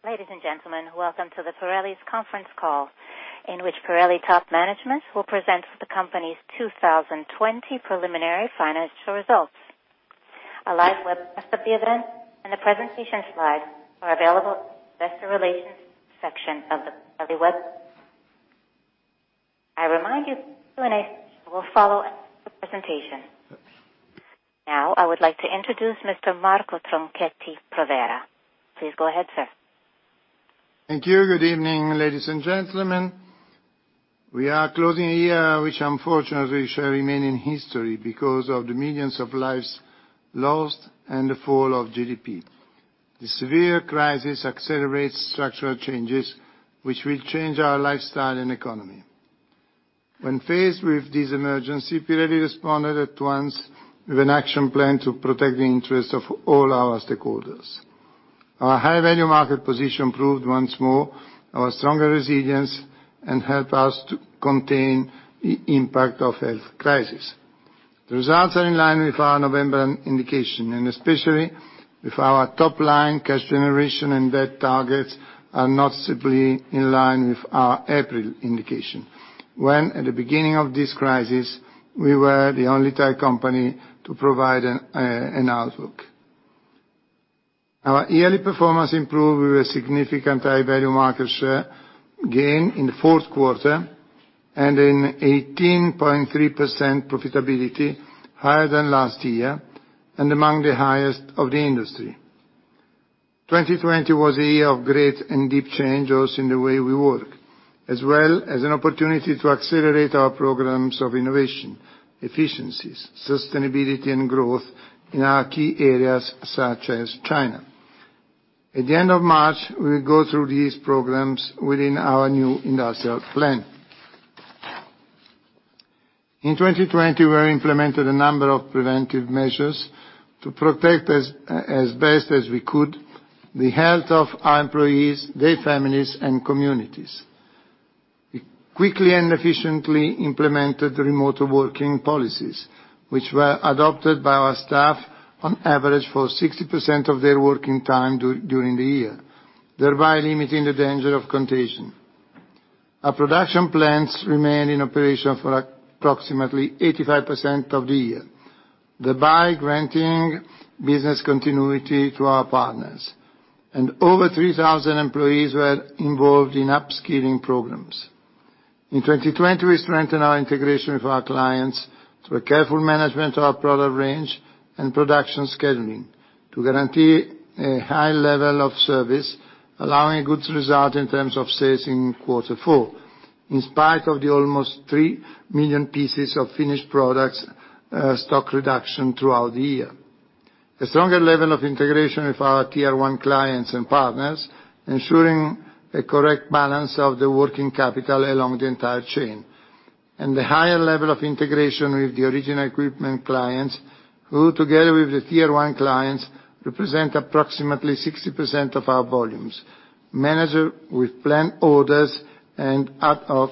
Ladies and gentlemen, welcome to Pirelli's conference call, in which Pirelli top management will present the company's 2020 preliminary financial results. A live webcast of the event and the presentation slides are available at Investor Relations section of the Pirelli web. I remind you, Q&A will follow the presentation. Now, I would like to introduce Mr. Marco Tronchetti Provera. Please go ahead, sir. Thank you. Good evening, ladies and gentlemen. We are closing a year, which unfortunately shall remain in history because of the millions of lives lost and the fall of GDP. The severe crisis accelerates structural changes, which will change our lifestyle and economy. When faced with this emergency, Pirelli responded at once with an action plan to protect the interests of all our stakeholders. Our High Value market position proved once more our stronger resilience and help us to contain the impact of health crisis. The results are in line with our November indication, and especially with our top line, cash generation and debt targets are noticeably in line with our April indication, when at the beginning of this crisis, we were the only tire company to provide an an outlook. Our yearly performance improved with a significant High Value market share gain in the fourth quarter and in 18.3% profitability, higher than last year and among the highest of the industry. 2020 was a year of great and deep changes in the way we work, as well as an opportunity to accelerate our programs of innovation, efficiencies, sustainability and growth in our key areas, such as China. At the end of March, we will go through these programs within our new industrial plan. In 2020, we implemented a number of preventive measures to protect us, as best as we could, the health of our employees, their families, and communities. We quickly and efficiently implemented remote working policies, which were adopted by our staff on average for 60% of their working time during the year, thereby limiting the danger of contagion. Our production plants remained in operation for approximately 85% of the year, thereby granting business continuity to our partners, and over 3,000 employees were involved in upskilling programs. In 2020, we strengthened our integration with our clients through a careful management of our product range and production scheduling to guarantee a high level of service, allowing a good result in terms of sales in quarter four, in spite of the almost 3 million pieces of finished products, stock reduction throughout the year. A stronger level of integration with our Tier 1 clients and partners, ensuring a correct balance of the working capital along the entire chain, and the higher level of integration with the Original Equipment clients, who, together with the Tier 1 clients, represent approximately 60% of our volumes, managed with planned orders and ad hoc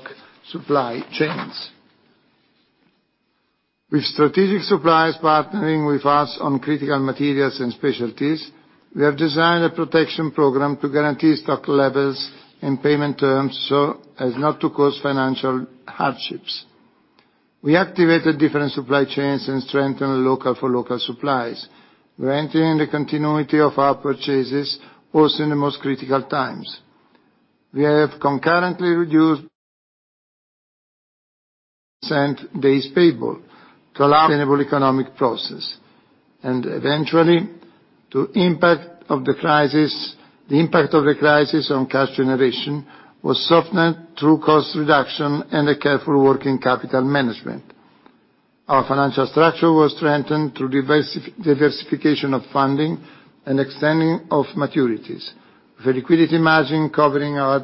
supply chains. With strategic suppliers partnering with us on critical materials and specialties, we have designed a protection program to guarantee stock levels and payment terms so as not to cause financial hardships. We activated different supply chains and strengthened local-for-local supplies, granting the continuity of our purchases, also in the most critical times. We have concurrently reduced percent days payable to allow sustainable economic progress, and eventually, the impact of the crisis on cash generation was softened through cost reduction and a careful working capital management. Our financial structure was strengthened through diversification of funding and extending of maturities, with a liquidity margin covering our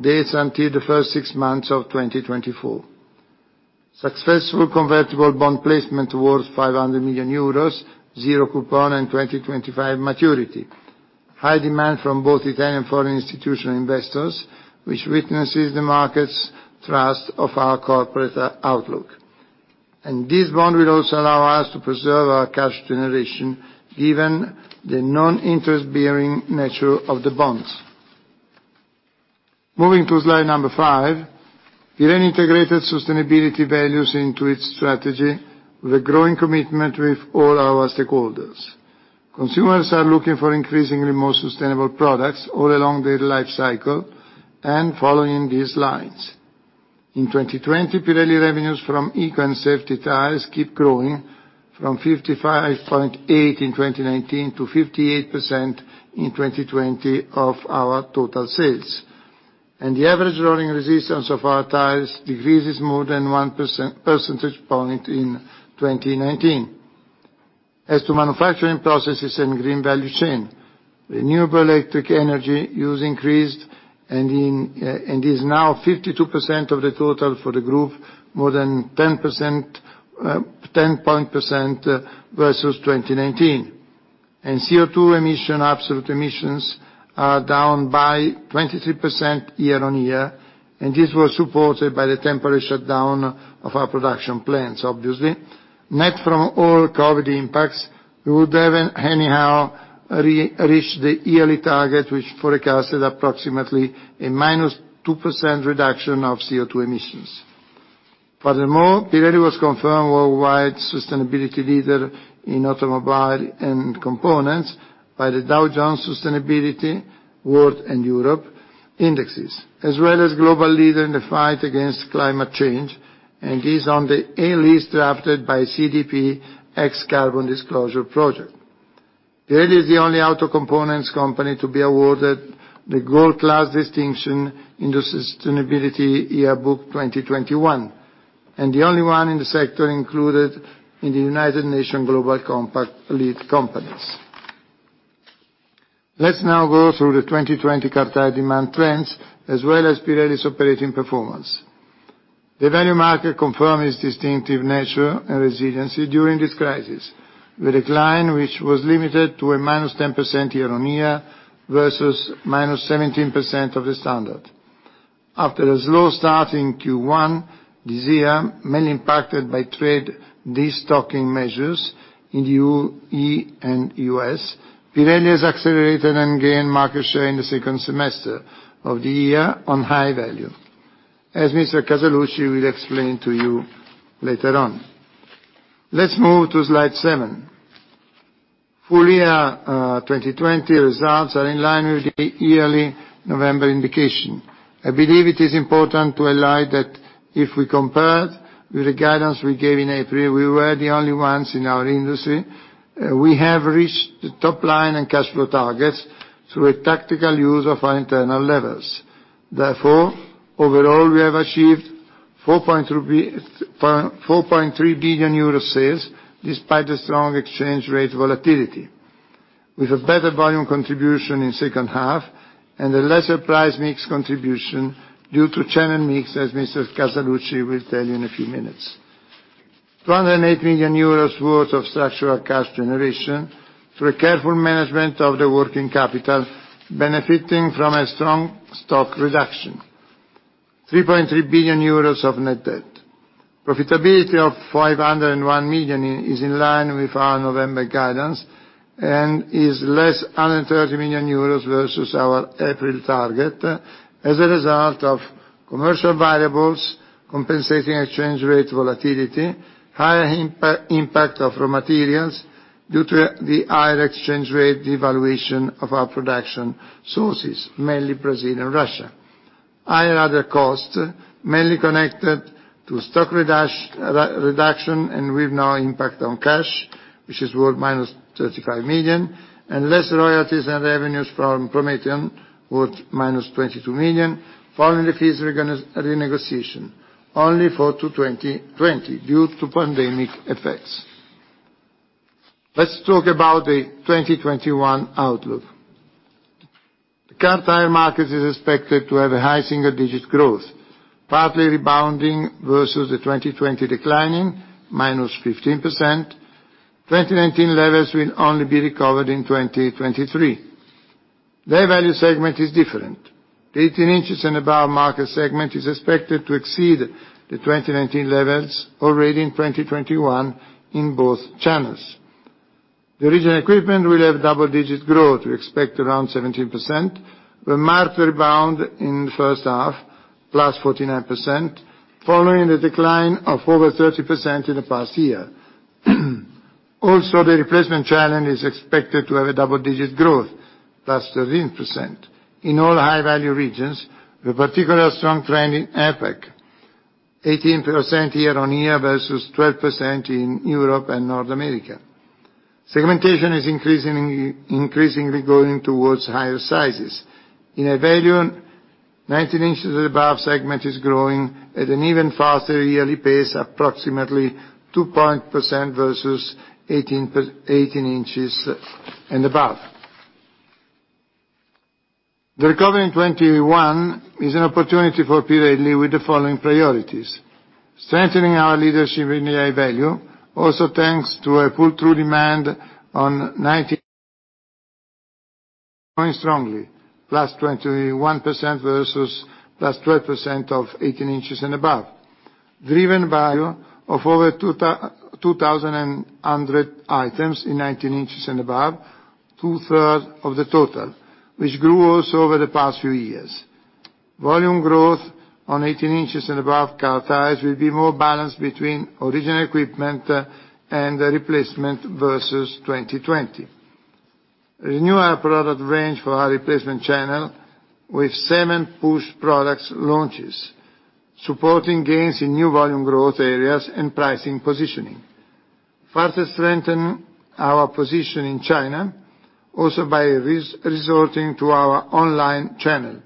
debts until the first six months of 2024. Successful convertible bond placement worth 500 million euros, zero coupon and 2025 maturity. High demand from both Italian and foreign institutional investors, which witnesses the market's trust of our corporate outlook. This bond will also allow us to preserve our cash generation, given the non-interest bearing nature of the bonds. Moving to slide number 5, Pirelli integrated sustainability values into its strategy with a growing commitment with all our stakeholders. Consumers are looking for increasingly more sustainable products all along their life cycle and following these lines. In 2020, Pirelli revenues from eco and safety tires keep growing from 55.8% in 2019 to 58% in 2020 of our total sales. The average rolling resistance of our tires decreases more than 1 percentage point in 2019. As to manufacturing processes and green value chain, renewable electric energy use increased and in and is now 52% of the total for the group, more than 10%, 10% versus 2019. CO2 emission, absolute emissions, are down by 23% year-over-year, and this was supported by the temporary shutdown of our production plants, obviously. Net from all COVID impacts, we would have anyhow reached the yearly target, which forecasted approximately a -2% reduction of CO2 emissions. Furthermore, Pirelli was confirmed worldwide sustainability leader in automobile and components by the Dow Jones Sustainability World and Europe Indices, as well as global leader in the fight against climate change, and is on the A list drafted by CDP, the Carbon Disclosure Project. Pirelli is the only auto components company to be awarded the Gold Class Distinction in the Sustainability Yearbook 2021, and the only one in the sector included in the United Nations Global Compact lead companies. Let's now go through the 2020 car tire demand trends, as well as Pirelli's operating performance. The value market confirmed its distinctive nature and resiliency during this crisis. The decline, which was limited to a -10% year-on-year, versus -17% of the Standard. After a slow start in Q1 this year, mainly impacted by trade destocking measures in the EU, E and US, Pirelli has accelerated and gained market share in the second semester of the year on high value, as Mr. Casaluci will explain to you later on. Let's move to slide 7. Full year 2020 results are in line with the yearly November indication. I believe it is important to highlight that if we compare with the guidance we gave in April, we were the only ones in our industry. We have reached the top line and cash flow targets through a tactical use of our internal levels. Therefore, overall, we have achieved 4.3 billion euro sales, despite the strong exchange rate volatility, with a better volume contribution in second half and a lesser price mix contribution due to channel mix, as Mr. Casaluci will tell you in a few minutes. 208 million euros worth of structural cash generation through a careful management of the working capital, benefiting from a strong stock reduction. 3.3 billion euros of net debt. Profitability of 501 million is in line with our November guidance and is less 130 million euros versus our April target, as a result of commercial variables, compensating exchange rate volatility, higher impact of raw materials due to the higher exchange rate devaluation of our production sources, mainly Brazil and Russia. Higher other costs, mainly connected to stock reduction and with no impact on cash, which is worth -35 million, and less royalties and revenues from Prometeon, worth -22 million, following the fees renegotiation, only for 2020 due to pandemic effects. Let's talk about the 2021 outlook. The car tire market is expected to have a high single-digit growth, partly rebounding versus the 2020 declining, -15%. 2019 levels will only be recovered in 2023. The value segment is different. The 18 inches and above market segment is expected to exceed the 2019 levels already in 2021 in both channels. The original equipment will have double-digit growth. We expect around 17%, the market rebound in the first half, +49%, following the decline of over 30% in the past year. Also, the replacement channel is expected to have a double-digit growth, +13%, in all High Value regions, with particularly strong trend in APAC, 18% year-on-year versus 12% in Europe and North America. Segmentation is increasing, increasingly going towards higher sizes. In High Value, 19 inches and above segment is growing at an even faster yearly pace, approximately 2 percentage points versus 18 inches and above. The recovery in 2021 is an opportunity for Pirelli with the following priorities: Strengthening our leadership in the High Value, also thanks to a pull-through demand on 19... growing strongly, +21% versus +12% of 18 inches and above, driven by over 2,100 items in 19 inches and above, two-thirds of the total, which grew also over the past few years. Volume growth on 18 inches and above car tires will be more balanced between Original Equipment and replacement versus 2020. Renew our product range for our Replacement channel with seven push products launches, supporting gains in new volume growth areas and pricing positioning. Further strengthen our position in China, also by resorting to our online channel.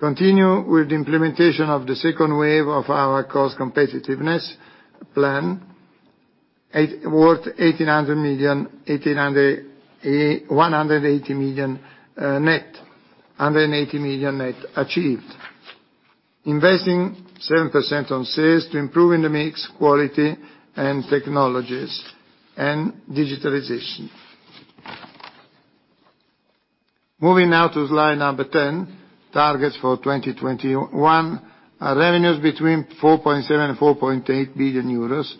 Continue with the implementation of the second wave of our cost competitiveness plan, worth 1,800 million, 1,800, one hundred and eighty million, net, 180 million net achieved. Investing 7% on sales to improve in the mix, quality, and technologies, and digitalization. Moving now to slide number 10, targets for 2021. Our revenues between 4.7 billion and 4.8 billion euros,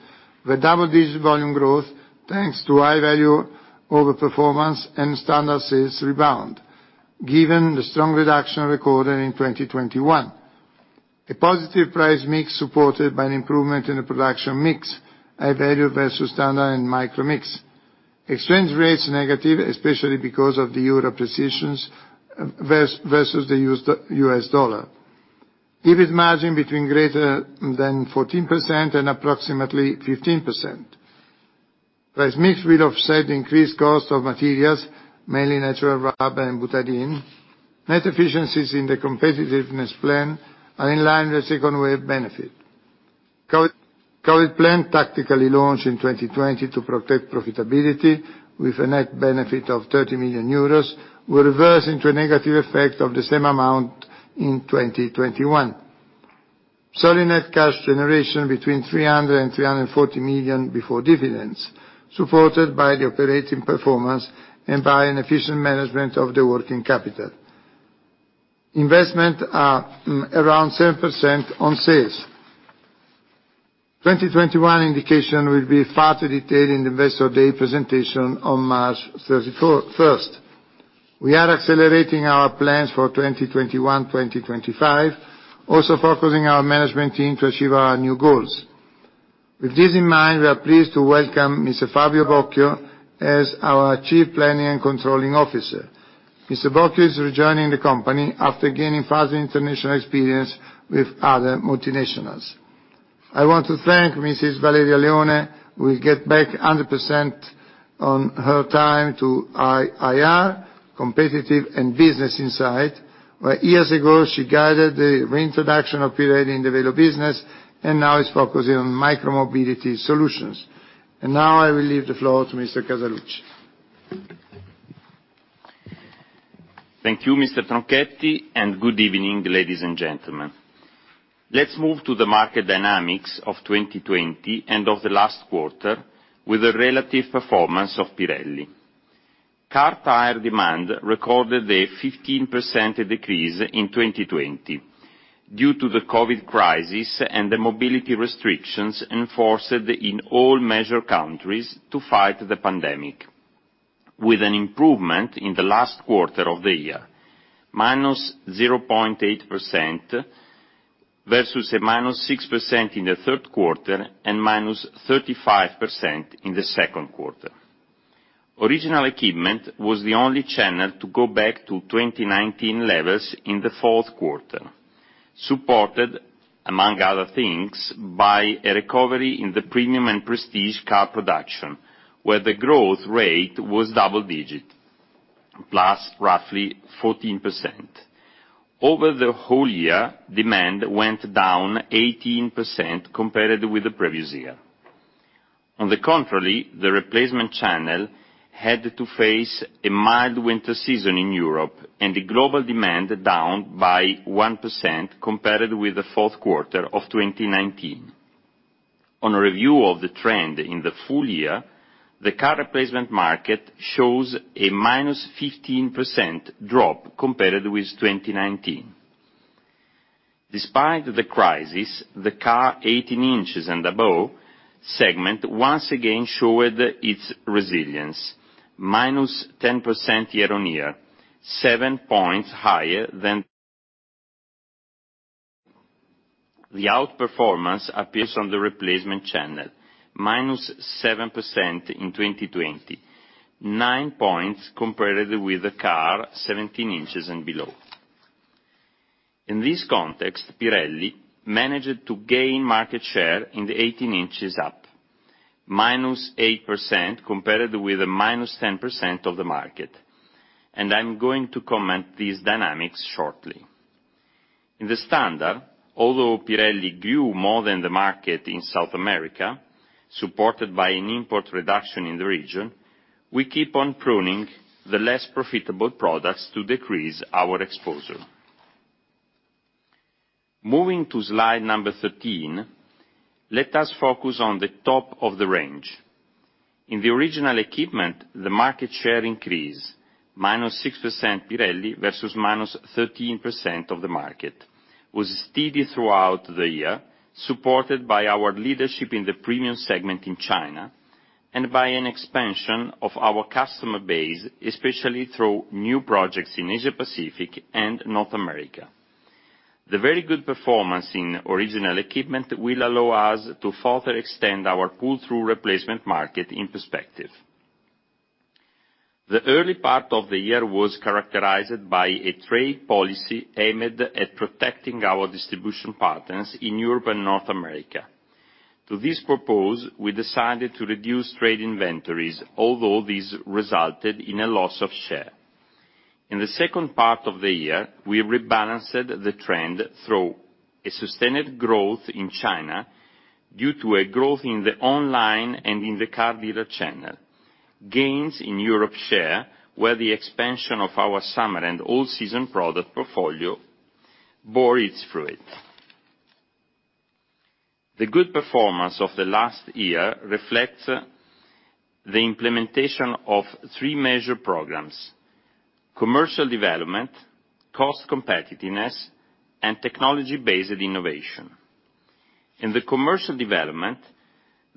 with double-digit volume growth, thanks to high value over performance and Standard sales rebound, given the strong reduction recorded in 2021. A positive price mix, supported by an improvement in the production mix, a value versus Standard and micro mix. Exchange rates negative, especially because of the Euro positions versus the US dollar. EBIT margin between greater than 14% and approximately 15%. Price mix will offset the increased cost of materials, mainly natural rubber and butadiene. Net efficiencies in the competitiveness plan are in line with the second wave benefit. COVID, COVID plan tactically launched in 2020 to protect profitability, with a net benefit of 30 million euros, will reverse into a negative effect of the same amount in 2021. Solid net cash generation between 300 million and 340 million before dividends, supported by the operating performance and by an efficient management of the working capital. Investments are around 7% on sales. 2021 indication will be further detailed in the Investor Day presentation on March 31st. We are accelerating our plans for 2021, 2025, also focusing our management team to achieve our new goals. With this in mind, we are pleased to welcome Mr. Fabio Bocchio as our Chief Planning and Controlling Officer. Mr. Bocchio is rejoining the company after gaining further international experience with other multinationals. I want to thank Mrs. Valeria Leone, will get back 100% on her time to IR, Competitive and Business Insight, where years ago, she guided the reintroduction of Pirelli in the wheel business, and now is focusing on micro-mobility solutions. And now, I will leave the floor to Mr. Casaluci. Thank you, Mr. Tronchetti, and good evening, ladies and gentlemen. Let's move to the market dynamics of 2020 and of the last quarter, with the relative performance of Pirelli. Car tire demand recorded a 15% decrease in 2020, due to the COVID crisis and the mobility restrictions enforced in all major countries to fight the pandemic, with an improvement in the last quarter of the year, -0.8%, versus a -6% in the third quarter, and -35% in the second quarter. Original equipment was the only channel to go back to 2019 levels in the fourth quarter, supported, among other things, by a recovery in the premium and Prestige car production, where the growth rate was double-digit +roughly 14%. Over the whole year, demand went down 18% compared with the previous year. On the contrary, the replacement channel had to face a mild winter season in Europe, and the global demand down by 1% compared with the fourth quarter of 2019. On a review of the trend in the full year, the car replacement market shows a -15% drop compared with 2019. Despite the crisis, the car 18 inches and above segment, once again, showed its resilience, -10% year-on-year, seven points higher than... The outperformance appears on the replacement channel, -7% in 2020, nine points compared with the car 17 inches and below. In this context, Pirelli managed to gain market share in the 18 inches up, -8% compared with a -10% of the market. And I'm going to comment these dynamics shortly. In the Standard, although Pirelli grew more than the market in South America, supported by an import reduction in the region, we keep on pruning the less profitable products to decrease our exposure. Moving to slide number 13, let us focus on the top of the range. In the original equipment, the market share increase, -6% Pirelli versus -13% of the market, was steady throughout the year, supported by our leadership in the premium segment in China, and by an expansion of our customer base, especially through new projects in Asia Pacific and North America. The very good performance in original equipment will allow us to further extend our pull-through replacement market in perspective. The early part of the year was characterized by a trade policy aimed at protecting our distribution partners in Europe and North America. To this purpose, we decided to reduce trade inventories, although this resulted in a loss of share. In the second part of the year, we rebalanced the trend through a sustained growth in China, due to a growth in the online and in the car dealer channel. Gains in Europe share, where the expansion of our summer and all-season product portfolio bore its fruit. The good performance of the last year reflects the implementation of three major programs: commercial development, cost competitiveness, and technology-based innovation. In the commercial development,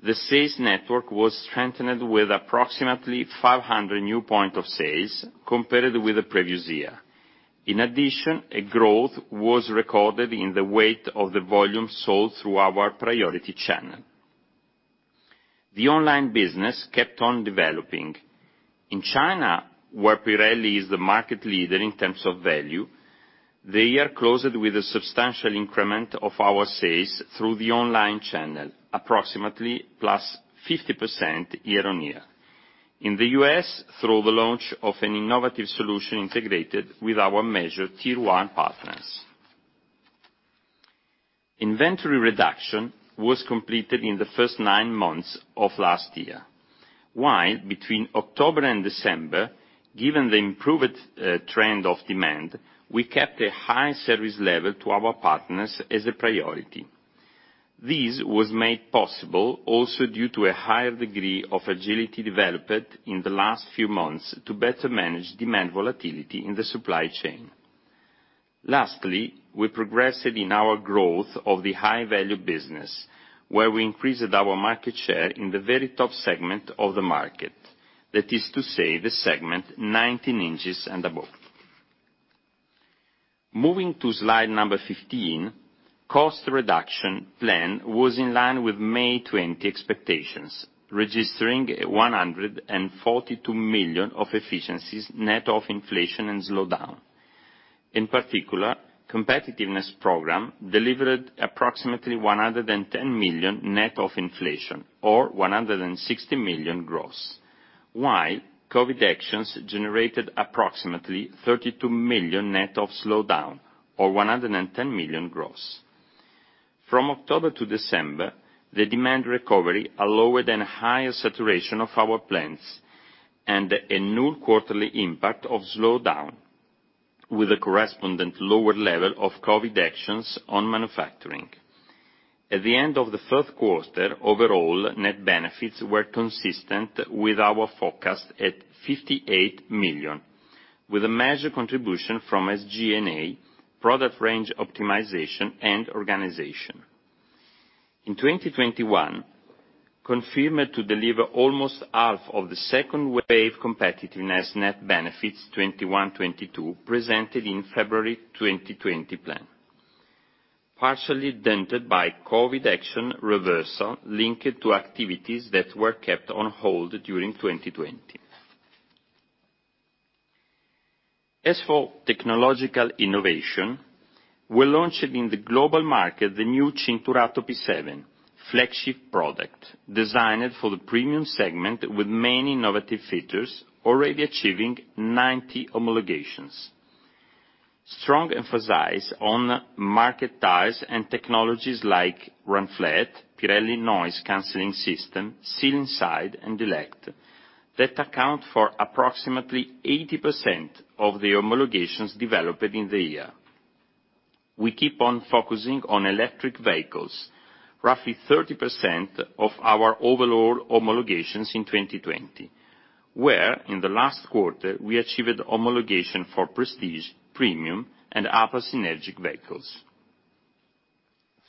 the sales network was strengthened with approximately 500 new points of sale compared with the previous year. In addition, a growth was recorded in the weight of the volume sold through our priority channel. The online business kept on developing. In China, where Pirelli is the market leader in terms of value, the year closed with a substantial increment of our sales through the online channel, approximately +50% year-on-year. In the U.S., through the launch of an innovative solution integrated with our major Tier 1 partners. Inventory reduction was completed in the first 9 months of last year, while between October and December, given the improved, trend of demand, we kept a high service level to our partners as a priority. This was made possible also due to a higher degree of agility developed in the last few months to better manage demand volatility in the supply chain. Lastly, we progressed in our growth of the High Value business, where we increased our market share in the very top segment of the market, that is to say, the segment 19 inches and above. Moving to slide number 15, cost reduction plan was in line with May 2020 expectations, registering 142 million of efficiencies net of inflation and slowdown. In particular, competitiveness program delivered approximately 110 million net of inflation, or 160 million gross, while COVID actions generated approximately 32 million net of slowdown, or 110 million gross. From October to December, the demand recovery are lower than higher saturation of our plants and a new quarterly impact of slowdown, with a corresponding lower level of COVID actions on manufacturing. At the end of the third quarter, overall, net benefits were consistent with our forecast at 58 million, with a major contribution from SG&A, product range optimization, and organization. In 2021, confirmed to deliver almost half of the second wave competitiveness net benefits 2021, 2022, presented in February 2020 plan, partially dented by COVID action reversal linked to activities that were kept on hold during 2020. As for technological innovation, we launched in the global market the new Cinturato P7, flagship product, designed for the premium segment with many innovative features, already achieving 90 homologations. Strong emphasis on marked tires and technologies like Run Flat, Pirelli Noise Canceling System, Seal Inside, and Elect, that account for approximately 80% of the homologations developed in the year. We keep on focusing on electric vehicles, roughly 30% of our overall homologations in 2020, where in the last quarter, we achieved homologation for Prestige, premium, and upper synergic vehicles.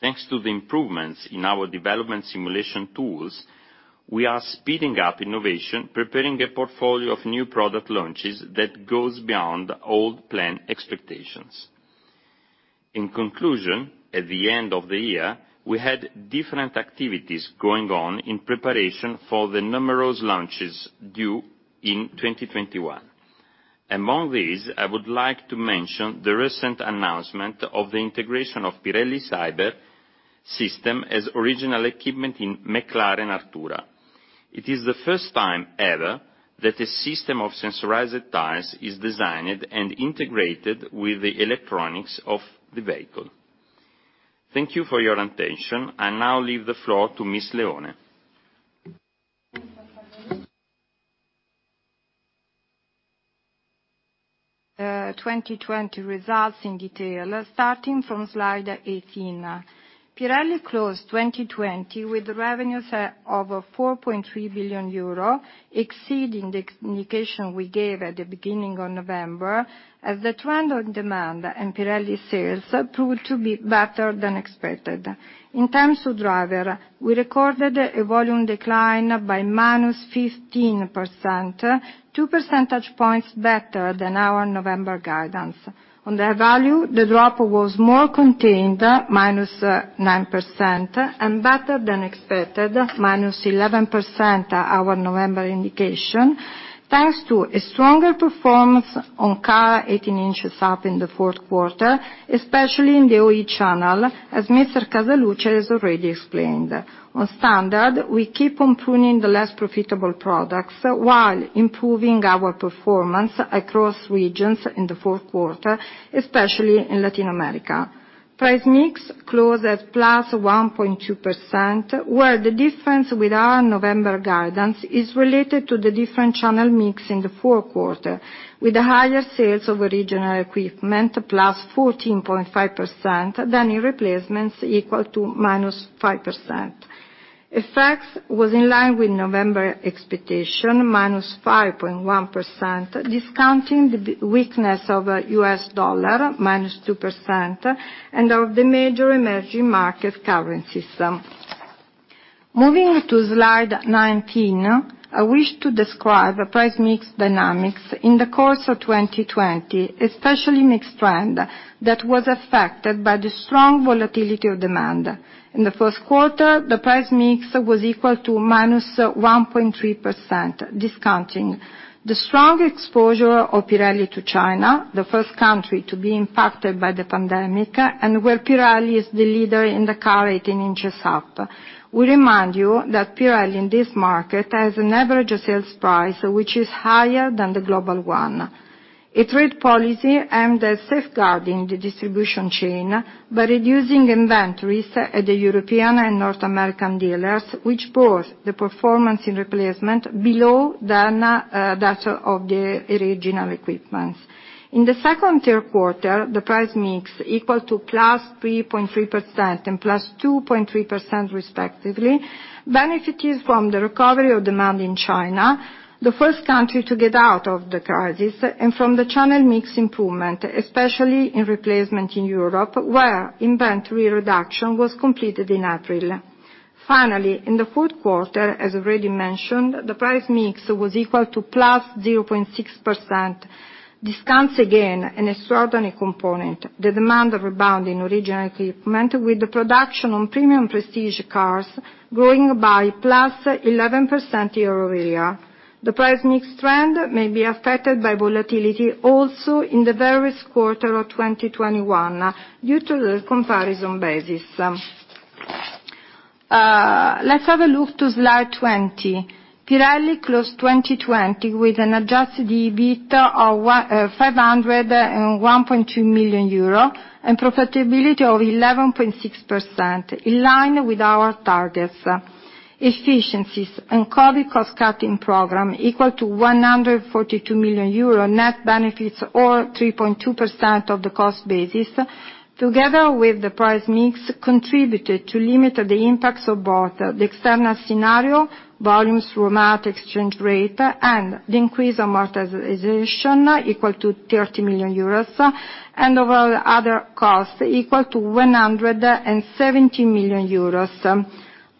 Thanks to the improvements in our development simulation tools, we are speeding up innovation, preparing a portfolio of new product launches that goes beyond old plan expectations. In conclusion, at the end of the year, we had different activities going on in preparation for the numerous launches due in 2021. Among these, I would like to mention the recent announcement of the integration of Pirelli Cyber system as original equipment in McLaren Artura. It is the first time ever that a system of sensorized tires is designed and integrated with the electronics of the vehicle. Thank you for your attention. I now leave the floor to Ms. Leone. 2020 results in detail, starting from slide 18. Pirelli closed 2020 with revenues of 4.3 billion euro, exceeding the communication we gave at the beginning of November, as the trend on demand and Pirelli sales proved to be better than expected. In terms of driver, we recorded a volume decline by -15%, 2 percentage points better than our November guidance. On the value, the drop was more contained, -9%, and better than expected, -11%, our November indication, thanks to a stronger performance on car 18 inches up in the fourth quarter, especially in the OE channel, as Mr. Casaluci has already explained. On Standard, we keep on pruning the less profitable products while improving our performance across regions in the fourth quarter, especially in Latin America. Price mix closed at +1.2%, where the difference with our November guidance is related to the different channel mix in the fourth quarter, with higher sales of original equipment, +14.5%, than in replacements, equal to -5%. FX was in line with November expectation, -5.1%, discounting the weakness of US dollar, -2%, and of the major emerging market currencies. Moving to slide 19, I wish to describe the price mix dynamics in the course of 2020, especially mixed trend that was affected by the strong volatility of demand. In the first quarter, the price mix was equal to -1.3%, discounting the strong exposure of Pirelli to China, the first country to be impacted by the pandemic, and where Pirelli is the leader in the car 18 inches up. We remind you that Pirelli, in this market, has an average sales price which is higher than the global one. A trade policy aimed at safeguarding the distribution chain by reducing inventories at the European and North American dealers, which brought the performance in replacement below than that of the original equipments. In the second and third quarter, the price mix equal to +3.3% and +2.3%, respectively, benefited from the recovery of demand in China, the first country to get out of the crisis, and from the channel mix improvement, especially in replacement in Europe, where inventory reduction was completed in April. Finally, in the fourth quarter, as already mentioned, the price mix was equal to +0.6%, discounts again an extraordinary component. The demand rebound in original equipment with the production on premium Prestige cars growing by +11% year-over-year. The price mix trend may be affected by volatility also in the various quarters of 2021, due to the comparison basis. Let's have a look to slide 20. Pirelli closed 2020 with an adjusted EBIT of 101.2 million euro and profitability of 11.6%, in line with our targets. Efficiencies and COVID cost-cutting program equal to 142 million euro net benefits, or 3.2% of the cost basis, together with the price mix, contributed to limit the impacts of both the external scenario, volumes, raw material, exchange rate, and the increase of amortization equal to 30 million euros, and of all other costs equal to 117 million euros.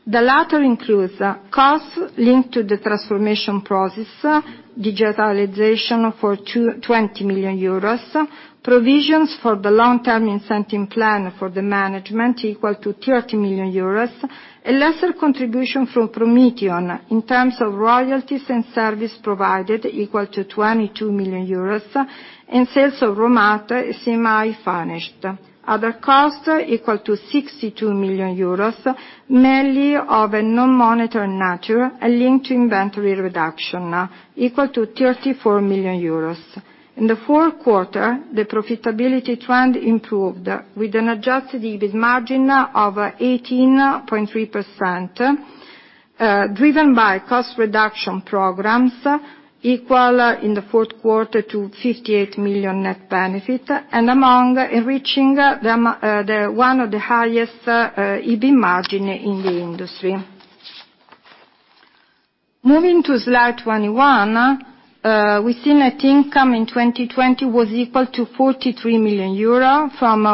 The latter includes costs linked to the transformation process, digitalization for 20 million euros, provisions for the long-term incentive plan for the management equal to 30 million euros, a lesser contribution from Prometeon in terms of royalties and service provided equal to 22 million euros, and sales of raw material semi-finished. Other costs equal to 62 million euros, mainly of a non-monetary nature and linked to inventory reduction equal to 34 million euros. In the fourth quarter, the profitability trend improved with an adjusted EBIT margin of 18.3%, driven by cost reduction programs equal in the fourth quarter to 58 million net benefit, and one of the highest EBIT margin in the industry. Moving to slide 21, we see net income in 2020 was equal to 43 million euro, from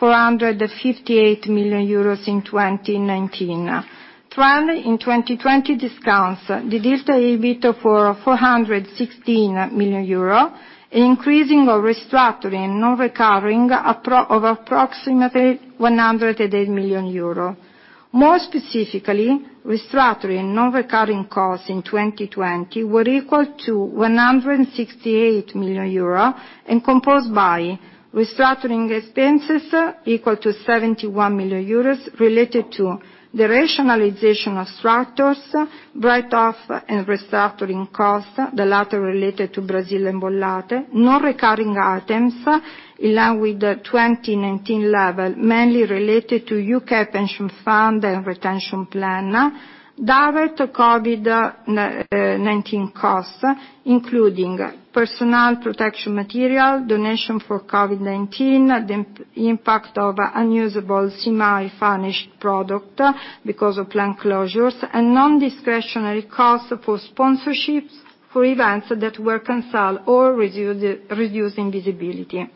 458 million euros in 2019. Trend in 2020 discounts the adjusted EBIT for 416 million euro, increasing our restructuring non-recurring of approximately 108 million euro. More specifically, restructuring non-recurring costs in 2020 were equal to 168 million euro, and composed by: restructuring expenses equal to 71 million euros related to the rationalization of structures, write-off and restructuring costs, the latter related to Brazil and Bolloré. Non-recurring items, in line with the 2019 level, mainly related to UK pension fund and retention plan. Direct COVID-19 costs, including personal protection material, donation for COVID-19, the impact of unusable semi-finished product because of plant closures, and non-discretionary costs for sponsorships for events that were canceled or reduced, reducing visibility.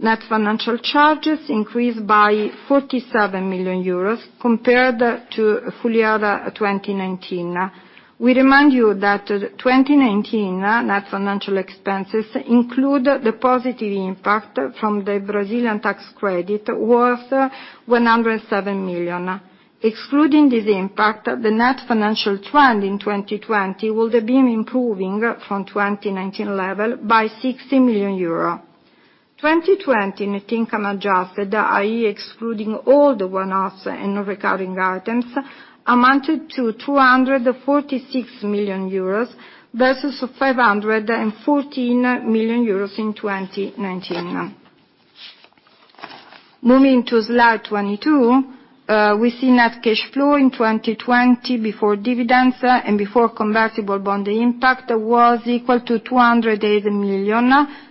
Net financial charges increased by 47 million euros compared to full year of 2019. We remind you that 2019 net financial expenses include the positive impact from the Brazilian tax credit worth 107 million. Excluding this impact, the net financial trend in 2020 would have been improving from 2019 level by 60 million euro. 2020 net income adjusted, i.e., excluding all the one-offs and non-recurring items, amounted to 246 million euros versus 514 million euros in 2019. Moving to Slide 22, we see net cash flow in 2020 before dividends and before convertible bond impact was equal to 208 million,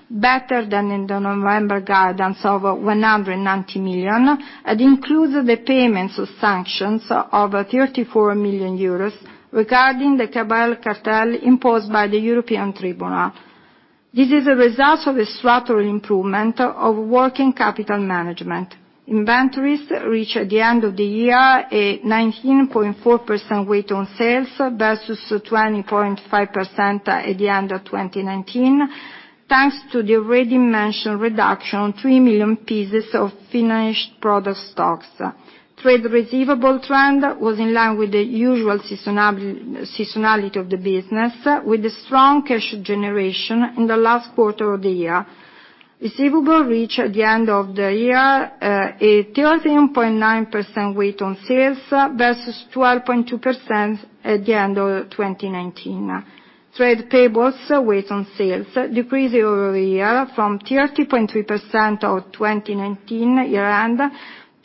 better than in the November guidance of 190 million, and includes the payments of sanctions of 34 million euros regarding the cartel imposed by the European tribunal. This is a result of a structural improvement of working capital management. Inventories reached at the end of the year a 19.4% weight on sales versus 20.5% at the end of 2019, thanks to the already mentioned reduction on 3 million pieces of finished product stocks. Trade receivable trend was in line with the usual seasonality of the business, with a strong cash generation in the last quarter of the year. Receivable reached at the end of the year a 13.9% weight on sales versus 12.2% at the end of 2019. Trade payables weight on sales decreased over the year from 13.3% of 2019 year end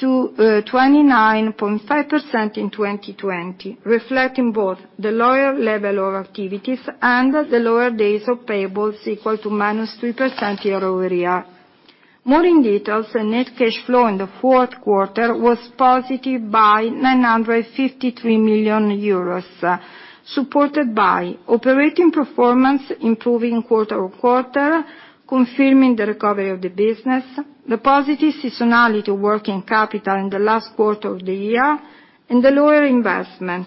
to 29.5% in 2020, reflecting both the lower level of activities and the lower days of payables equal to -3% year-over-year. More in detail, the net cash flow in the fourth quarter was positive by 953 million euros, supported by operating performance improving quarter-on-quarter, confirming the recovery of the business, the positive seasonality working capital in the last quarter of the year, and the lower investment.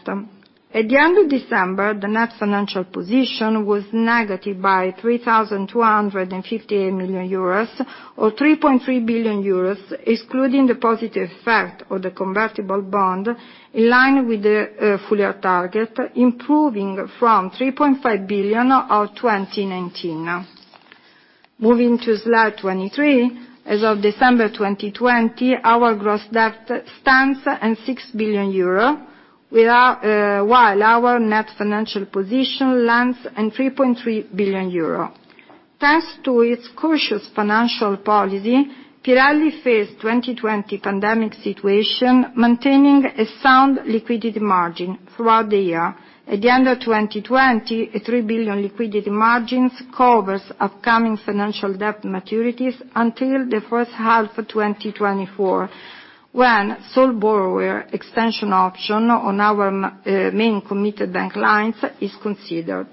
At the end of December, the net financial position was negative by 3,258 million euros, or 3.3 billion euros, excluding the positive effect of the convertible bond, in line with the full-year target, improving from 3.5 billion of 2019. Moving to Slide 23. As of December 2020, our gross debt stands at 6 billion euro, without -- while our net financial position lands in 3.3 billion euro. Thanks to its cautious financial policy, Pirelli faced 2020 pandemic situation, maintaining a sound liquidity margin throughout the year. At the end of 2020, a 3 billion liquidity margin covers upcoming financial debt maturities until the first half of 2024, when sole borrower extension option on our main committed bank lines is considered.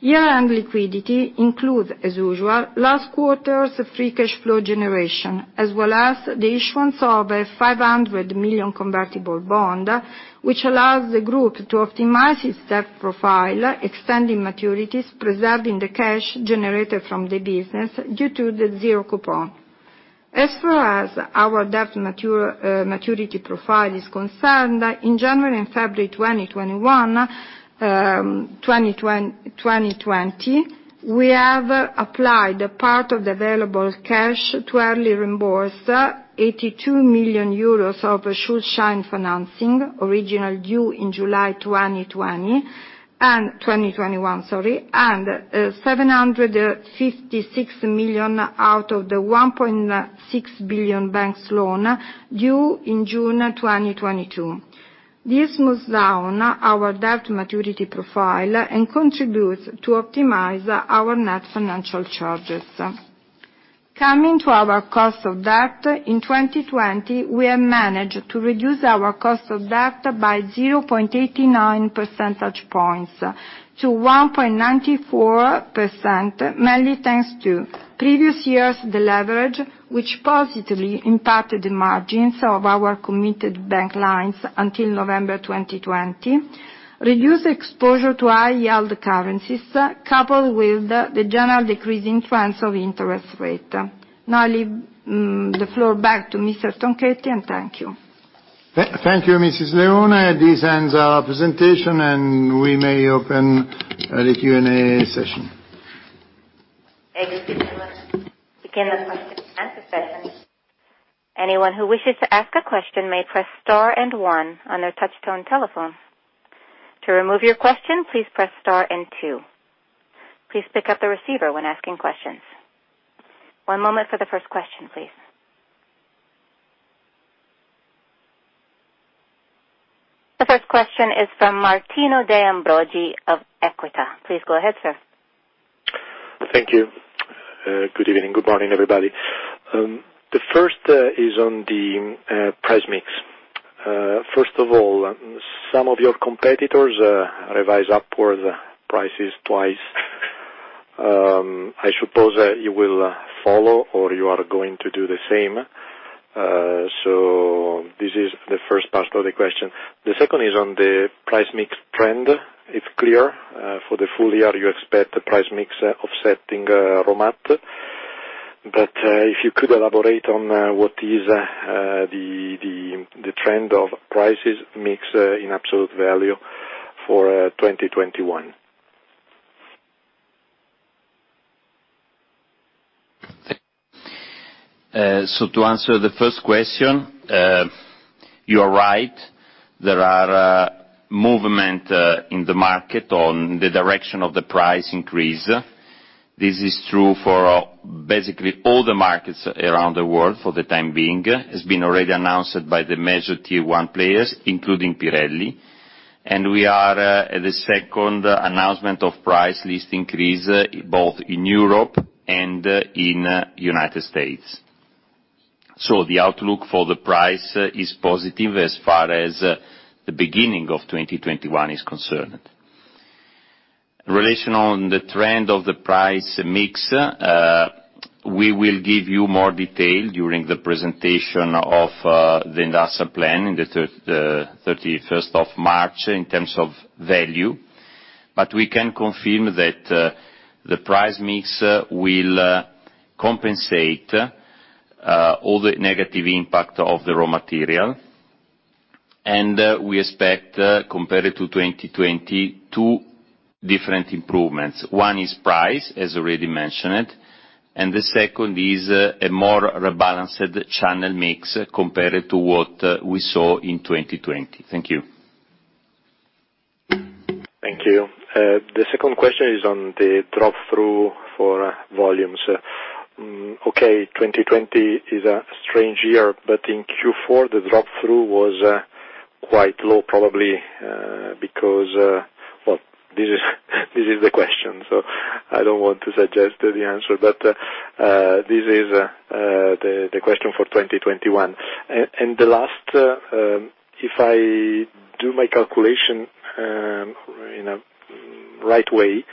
Year-end liquidity includes, as usual, last quarter's free cash flow generation, as well as the issuance of a 500 million convertible bond, which allows the group to optimize its debt profile, extending maturities, preserving the cash generated from the business due to the zero coupon. As far as our debt maturity profile is concerned, in January and February 2020, we have applied a part of the available cash to early reimburse 82 million euros of Schuldschein financing, originally due in July 2020 and 2021, sorry, and seven hundred and fifty-six million out of the 1.6 billion banks loan due in June 2022. This moves down our debt maturity profile and contributes to optimize our net financial charges. Coming to our cost of debt, in 2020, we have managed to reduce our cost of debt by 0.89 percentage points to 1.94%, mainly thanks to previous years' deleverage, which positively impacted the margins of our committed bank lines until November 2020, reduced exposure to high-yield currencies, coupled with the general decreasing trends of interest rate. Now I leave the floor back to Mr. Tronchetti, and thank you. Thank you, Mrs. Leone. This ends our presentation, and we may open the Q&A session. Thank you. Begin the question and answer session. Anyone who wishes to ask a question may press star and one on their touch-tone telephone. To remove your question, please press star and two. Please pick up the receiver when asking questions. One moment for the first question, please. The first question is from Martino De Ambrogi of Equita. Please go ahead, sir. Thank you. Good evening, good morning, everybody. The first is on the price mix. First of all, some of your competitors revised upwards prices twice. I suppose you will follow or you are going to do the same. So this is the first part of the question. The second is on the price mix trend. It's clear for the full year, you expect the price mix offsetting raw mat. But if you could elaborate on what is the trend of prices mix in absolute value for 2021? So to answer the first question,... You are right, there are movement in the market on the direction of the price increase. This is true for basically all the markets around the world for the time being. It's been already announced by the major Tier 1 players, including Pirelli, and we are at the second announcement of price list increase, both in Europe and in United States. So the outlook for the price is positive as far as the beginning of 2021 is concerned. Regarding the trend of the price mix, we will give you more detail during the presentation of the industrial plan, the 31st of March, in terms of value. But we can confirm that the price mix will compensate all the negative impact of the raw material. We expect, compared to 2020, two different improvements. One is price, as already mentioned, and the second is a more rebalanced channel mix compared to what we saw in 2020. Thank you. Thank you. The second question is on the drop-through for volumes. Okay, 2020 is a strange year, but in Q4, the drop-through was quite low, probably because... Well, this is the question, so I don't want to suggest the answer, but this is the question for 2021. And the last, if I do my calculation in a right way,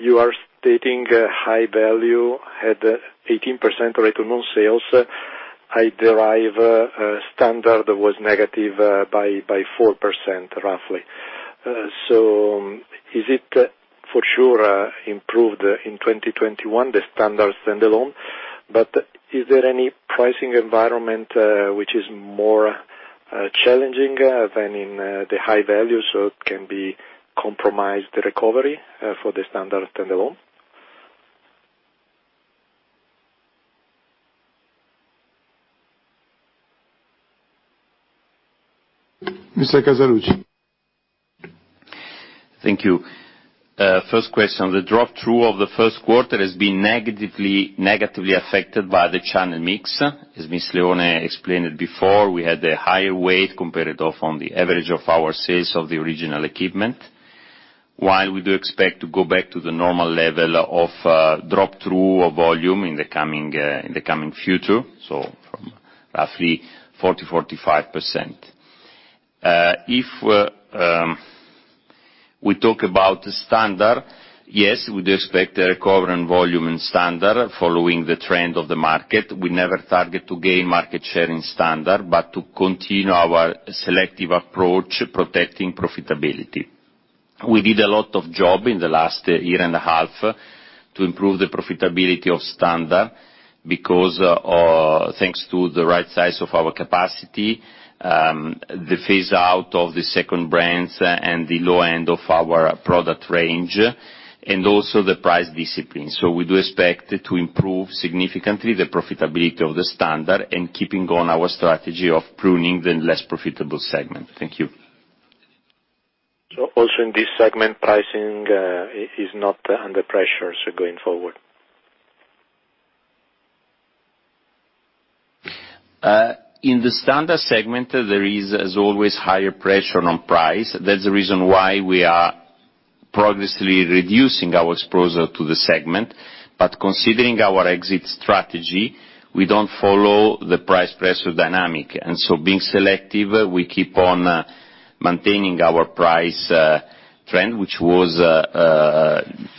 you are stating a high value at 18% return on sales. I derive a Standard that was negative by 4%, roughly. So, is it for sure improved in 2021, the Standard stand-alone? But is there any pricing environment which is more challenging than in the high value, so it can be compromised recovery for the Standard stand-alone? Mr. Casaluci? Thank you. First question, the drop-through of the first quarter has been negatively affected by the channel mix. As Ms. Leone explained it before, we had a higher weight compared to off on the average of our sales of the Original Equipment, while we do expect to go back to the normal level of drop-through or volume in the coming future, so from roughly 40%-45%. If we talk about the Standard, yes, we do expect a recovery in volume and Standard following the trend of the market. We never target to gain market share in Standard, but to continue our selective approach, protecting profitability. We did a lot of job in the last year and a half to improve the profitability of Standard, because thanks to the right size of our capacity, the phase out of the second brands and the low end of our product range, and also the price discipline. So we do expect to improve significantly the profitability of the Standard and keeping on our strategy of pruning the less profitable segment. Thank you. So also, in this segment, pricing, is not under pressure, so going forward? In the Standard segment, there is as always, higher pressure on price. That's the reason why we are progressively reducing our exposure to the segment. But considering our exit strategy, we don't follow the price pressure dynamic. And so being selective, we keep on maintaining our price trend, which was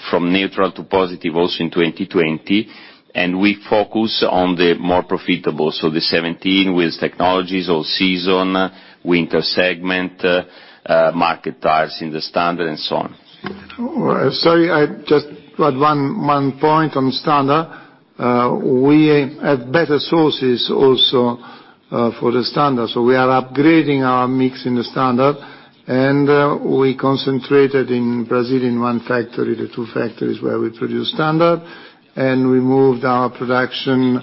from neutral to positive also in 2020, and we focus on the more profitable. So the 17 with technologies, all season, winter segment market tires in the Standard and so on. Sorry, I just got one point on Standard. We have better sources also for the Standard, so we are upgrading our mix in the Standard, and we concentrated in Brazil in one factory, the two factories where we produce Standard, and we moved our production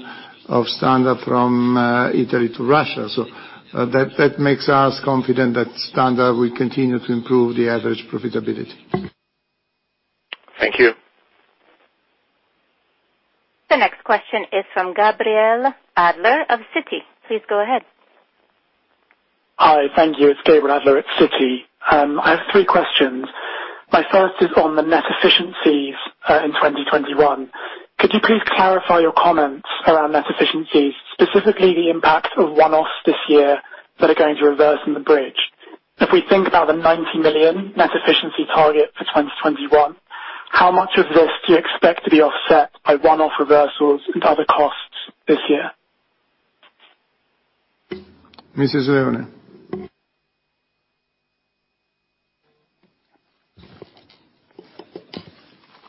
of Standard from Italy to Russia. So, that makes us confident that Standard will continue to improve the average profitability. Thank you. The next question is from Gabriel Adler of Citi. Please go ahead. Hi, thank you. It's Gabriel Adler at Citi. I have three questions. My first is on the net efficiencies in 2021. Could you please clarify your comments around net efficiencies, specifically the impact of one-offs this year that are going to reverse in the bridge? If we think about the 90 million net efficiency target for 2021, how much of this do you expect to be offset by one-off reversals and other costs this year? Mrs. Leone. ...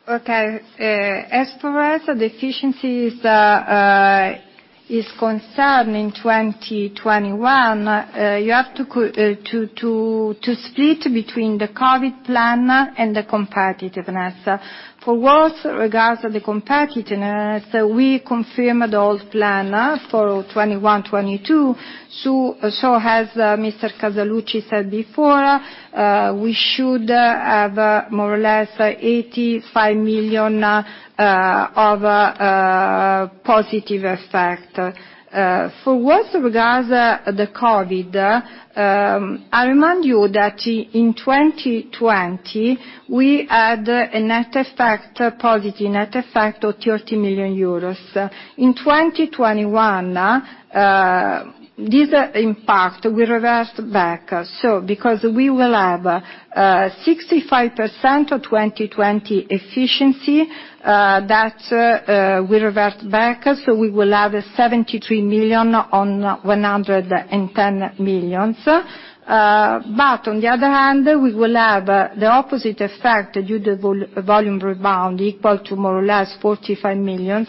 Okay, as for the efficiencies is concerned in 2021, you have to split between the COVID plan and the competitiveness. For what regards the competitiveness, we confirmed the old plan for 2021, 2022. So as Mr. Casaluci said before, we should have more or less 85 million of positive effect. For what regards the COVID, I remind you that in 2020, we had a net effect, positive net effect of 30 million euros. In 2021, this impact will reverse back. So because we will have 65% of 2020 efficiency that will revert back, so we will have 73 million on 110 million. But on the other hand, we will have the opposite effect due to volume rebound, equal to more or less 45 million,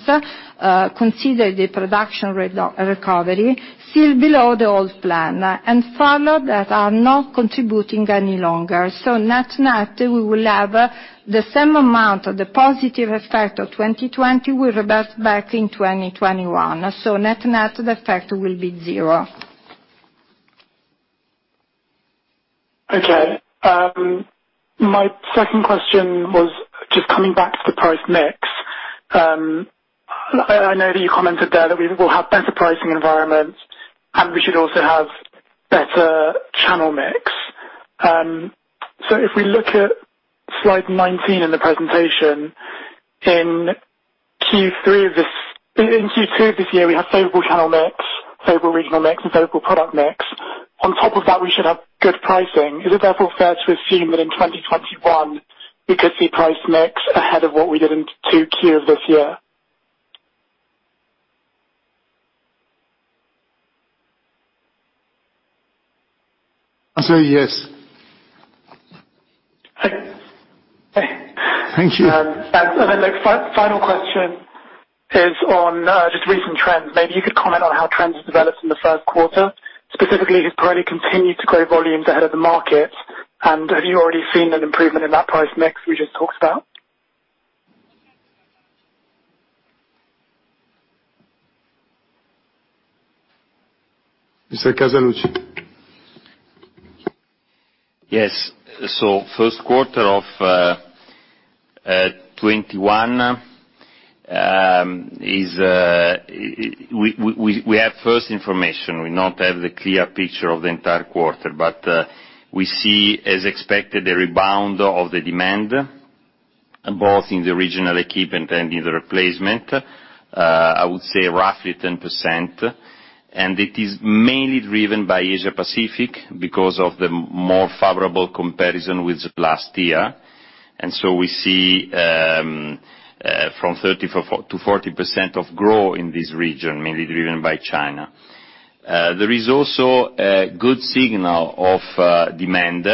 consider the production recovery, still below the old plan, and further that are not contributing any longer. So net, net, we will have the same amount of the positive effect of 2020 will revert back in 2021. So net, net, the effect will be zero. Okay, my second question was just coming back to the price mix. I know that you commented there that we will have better pricing environments, and we should also have better channel mix. So if we look at slide 19 in the presentation, in Q2 this year, we have favorable channel mix, favorable regional mix, and favorable product mix. On top of that, we should have good pricing. Is it therefore fair to assume that in 2021, we could see price mix ahead of what we did in 2Q of this year? I say, yes. I, Thank you. The final question is on just recent trends. Maybe you could comment on how trends have developed in the first quarter, specifically, has Pirelli continued to grow volumes ahead of the market, and have you already seen an improvement in that price mix we just talked about? Mr. Casaluci. Yes. So first quarter of 2021 is... We have first information. We not have the clear picture of the entire quarter, but we see, as expected, a rebound of the demand, both in the original equipment and in the replacement, I would say roughly 10%, and it is mainly driven by Asia Pacific because of the more favorable comparison with last year. And so we see from 30%-40% growth in this region, mainly driven by China. There is also a good signal of demand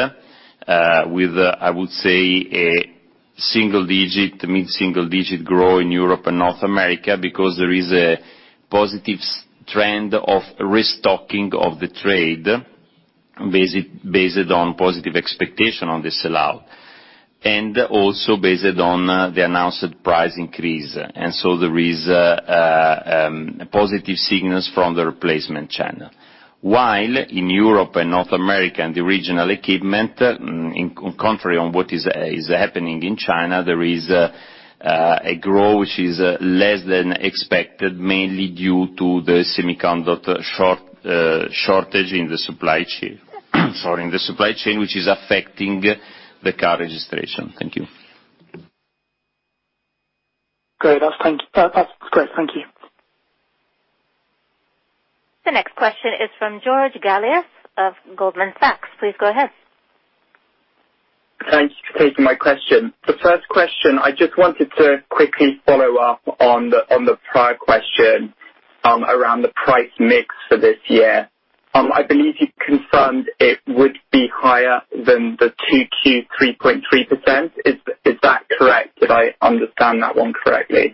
with, I would say, a single digit, mid-single digit growth in Europe and North America because there is a positive trend of restocking of the trade, based on positive expectation on the sell-out, and also based on the announced price increase. So there is positive signals from the replacement channel. While in Europe and North America, and the original equipment, on the contrary to what is happening in China, there is a growth which is less than expected, mainly due to the semiconductor shortage in the supply chain, which is affecting the car registration. Thank you. Great. That's great. Thank you. The next question is from George Galliers of Goldman Sachs. Please go ahead. Thanks for taking my question. The first question, I just wanted to quickly follow up on the, on the prior question, around the price mix for this year. I believe you confirmed it would be higher than the 2Q, 3.3%. Is, is that correct? Did I understand that one correctly?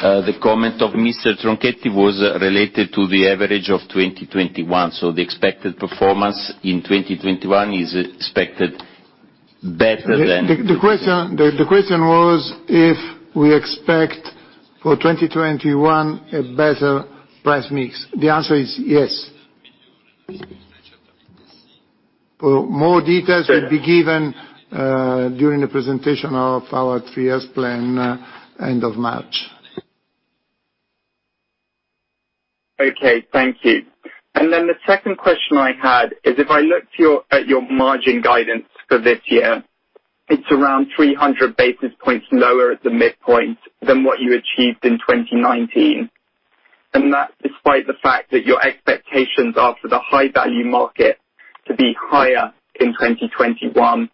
The comment of Mr. Tronchetti was related to the average of 2021, so the expected performance in 2021 is expected better than- The question was, if we expect for 2021, a better price mix? The answer is yes. For more details- Sure... will be given, during the presentation of our three years plan, end of March. Okay, thank you. Then the second question I had is if I looked at your margin guidance for this year, it's around 300 basis points lower at the midpoint than what you achieved in 2019. And that, despite the fact that your expectations are for the High Value market to be higher in 2021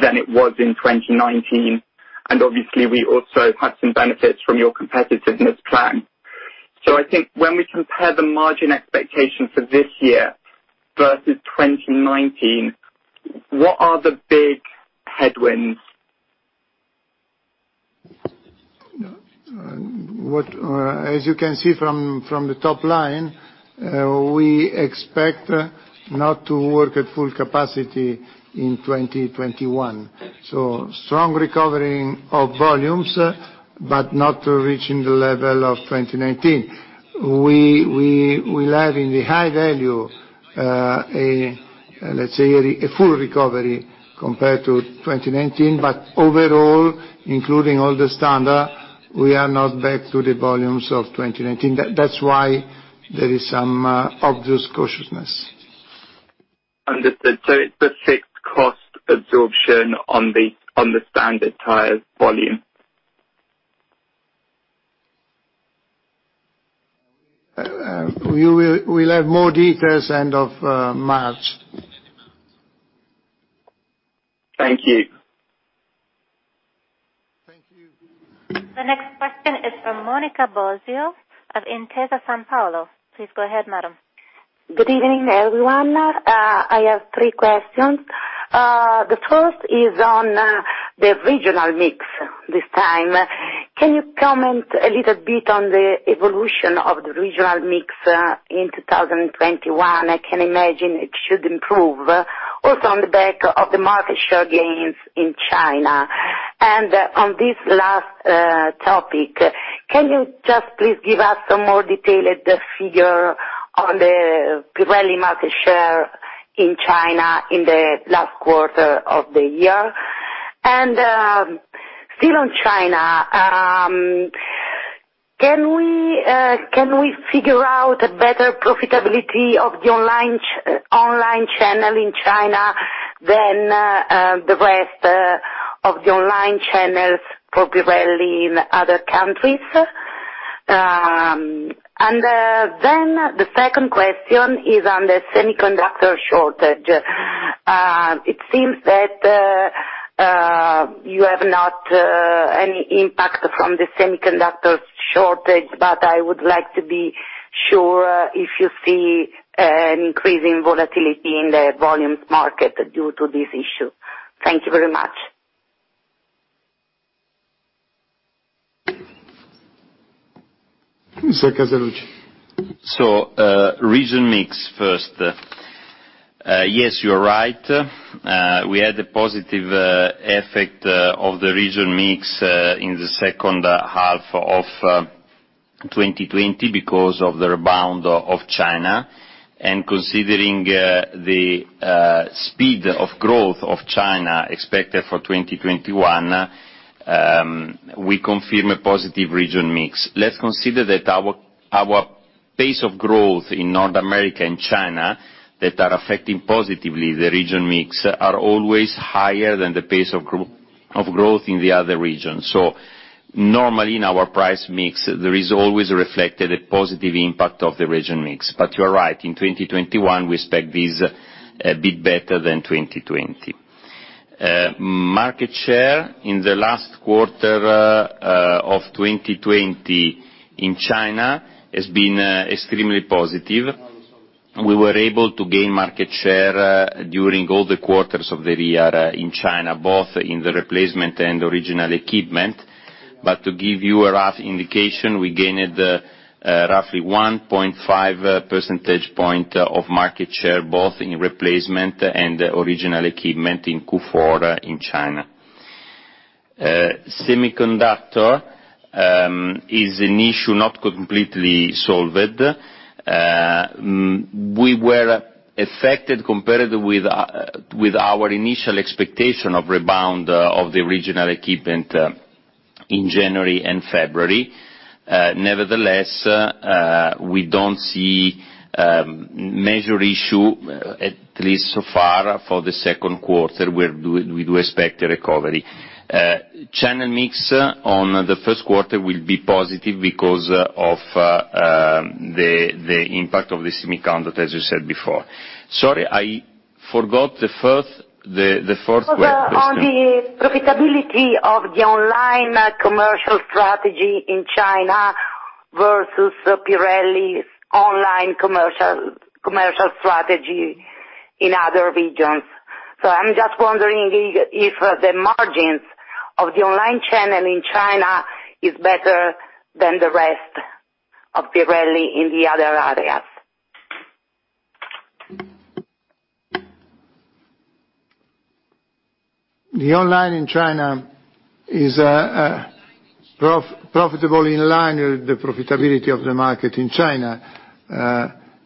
than it was in 2019, and obviously, we also had some benefits from your competitiveness plan. ...So I think when we compare the margin expectations for this year versus 2019, what are the big headwinds? As you can see from the top line, we expect not to work at full capacity in 2021. So strong recovering of volumes, but not reaching the level of 2019. We will have in the High Value, let's say, a full recovery compared to 2019, but overall, including all the Standard, we are not back to the volumes of 2019. That's why there is some obvious cautiousness. Understood. So it's a fixed cost absorption on the Standard tire volume? We will, we'll have more details end of March. Thank you. Thank you. The next question is from Monica Bosio of Intesa Sanpaolo. Please go ahead, madam. Good evening, everyone. I have three questions. The first is on the regional mix this time. Can you comment a little bit on the evolution of the regional mix in 2021? I can imagine it should improve, also on the back of the market share gains in China. And on this last topic, can you just please give us some more detailed figure on the Pirelli market share in China in the last quarter of the year? And, still on China, can we figure out a better profitability of the online channel in China than the rest of the online channels for Pirelli in other countries? And, then the second question is on the semiconductor shortage. It seems that you have not any impact from the semiconductor shortage, but I would like to be sure if you see an increase in volatility in the volume market due to this issue. Thank you very much. Mr. Casaluci. So, region mix first. Yes, you're right. We had a positive effect of the region mix in the second half of 2020 because of the rebound of China. And considering the speed of growth of China expected for 2021, we confirm a positive region mix. Let's consider that our pace of growth in North America and China, that are affecting positively the region mix, are always higher than the pace of growth in the other regions. So normally, in our price mix, there is always reflected a positive impact of the region mix. But you're right, in 2021, we expect this a bit better than 2020. Market share in the last quarter of 2020 in China has been extremely positive. We were able to gain market share during all the quarters of the year in China, both in the Replacement and Original Equipment. But to give you a rough indication, we gained roughly 1.5 percentage point of market share, both in Replacement and Original Equipment in Q4 in China. Semiconductor is an issue not completely solved. We were affected compared with our initial expectation of rebound of the Original Equipment in January and February. Nevertheless, we don't see major issue, at least so far, for the second quarter; we do expect a recovery. Channel mix on the first quarter will be positive because of the impact of the semiconductor, as you said before. Sorry, I forgot the first, the fourth question. On the profitability of the online commercial strategy in China versus Pirelli's online commercial strategy in other regions. So I'm just wondering if the margins of the online channel in China is better than the rest of Pirelli in the other areas. The online in China is profitable in line with the profitability of the market in China.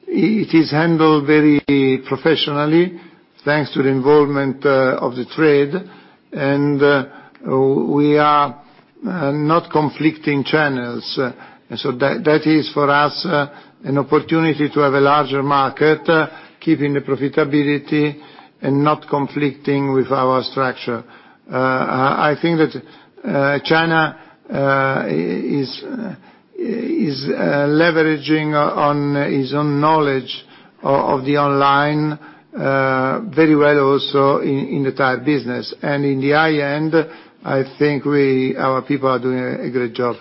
It is handled very professionally, thanks to the involvement of the trade, and we are not conflicting channels. So that is, for us, an opportunity to have a larger market, keeping the profitability and not conflicting with our structure. I think that China is leveraging on his own knowledge of the online very well also in the tire business. And in the high end, I think we, our people are doing a great job.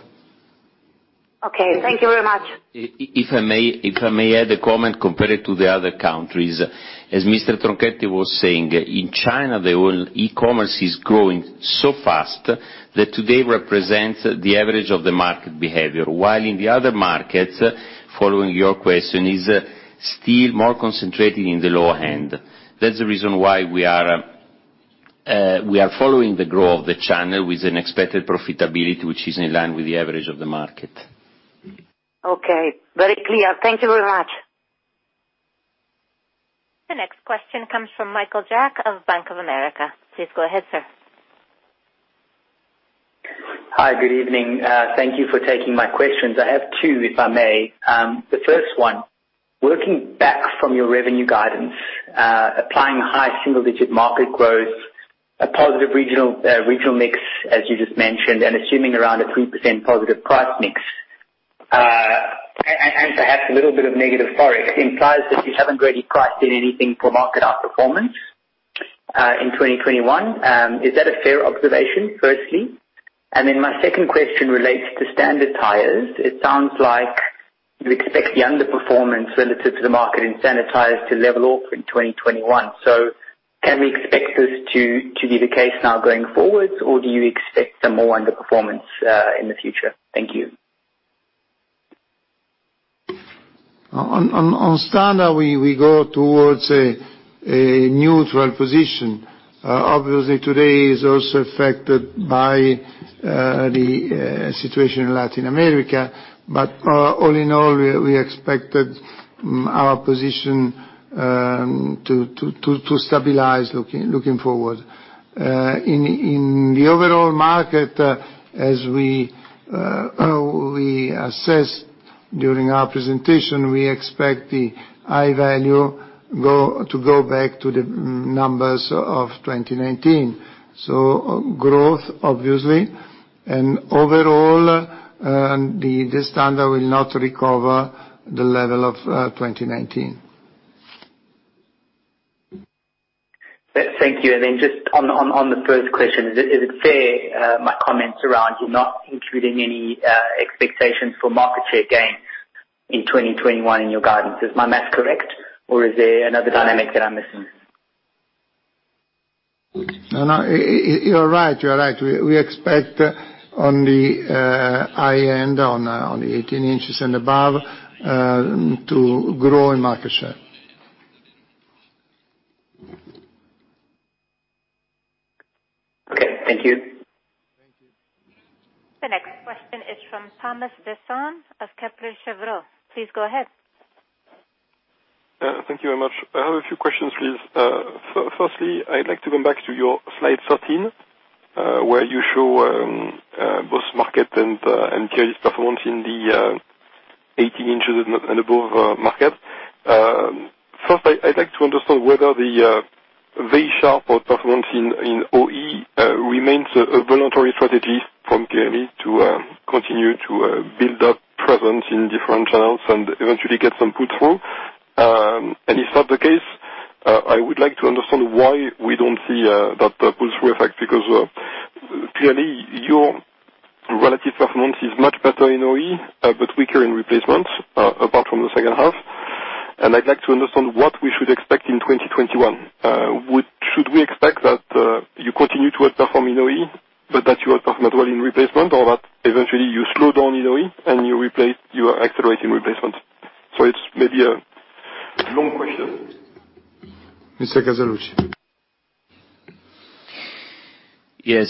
Okay, thank you very much. If I may, if I may add a comment compared to the other countries. As Mr. Tronchetti was saying, in China, the whole e-commerce is growing so fast that today represents the average of the market behavior. While in the other markets, following your question, is still more concentrated in the low end. That's the reason why we are, we are following the growth of the channel with an expected profitability, which is in line with the average of the market. Okay, very clear. Thank you very much. The next question comes from Michael Jacks of Bank of America. Please go ahead, sir. Hi, good evening. Thank you for taking my questions. I have two, if I may. The first one, working back from your revenue guidance, applying high single-digit market growth, a positive regional mix, as you just mentioned, and assuming around a 3% positive price mix, and perhaps a little bit of negative Forex, implies that you haven't really priced in anything for market outperformance in 2021. Is that a fair observation, firstly? And then my second question relates to Standard tires. It sounds like you expect the underperformance relative to the market in Standard tires to level off in 2021. So can we expect this to be the case now going forward, or do you expect some more underperformance in the future? Thank you. On Standard, we go towards a neutral position. Obviously, today is also affected by the situation in Latin America. But all in all, we expected our position to stabilize looking forward. In the overall market, as we assessed during our presentation, we expect the High Value to go back to the numbers of 2019. So, growth, obviously, and overall, the Standard will not recover the level of 2019. Thank you. And then just on the first question, is it fair, my comments around you not including any expectations for market share gain in 2021 in your guidance? Is my math correct, or is there another dynamic that I'm missing? No, no, you're right, you are right. We expect on the high end, on the 18 inches and above, to grow in market share. Okay, thank you. Thank you. The next question is from Thomas Besson of Kepler Cheuvreux. Please go ahead. Thank you very much. I have a few questions, please. So firstly, I'd like to come back to your slide 13, where you show both market and tire performance in the 18 inches and above market. First, I'd like to understand whether the very sharp performance in OE remains a voluntary strategy from Pirelli to continue to build up presence in different channels and eventually get some pull-through. And if that's the case, I would like to understand why we don't see that pull-through effect? Because clearly, your relative performance is much better in OE, but weaker in replacements, apart from the second half. And I'd like to understand what we should expect in 2021. Should we expect that you continue to outperform in OE, but that you outperform as well in replacement, or that eventually you slow down in OE and you replace, you are accelerating replacement? So it's maybe a long question. Mr. Casaluci. Yes,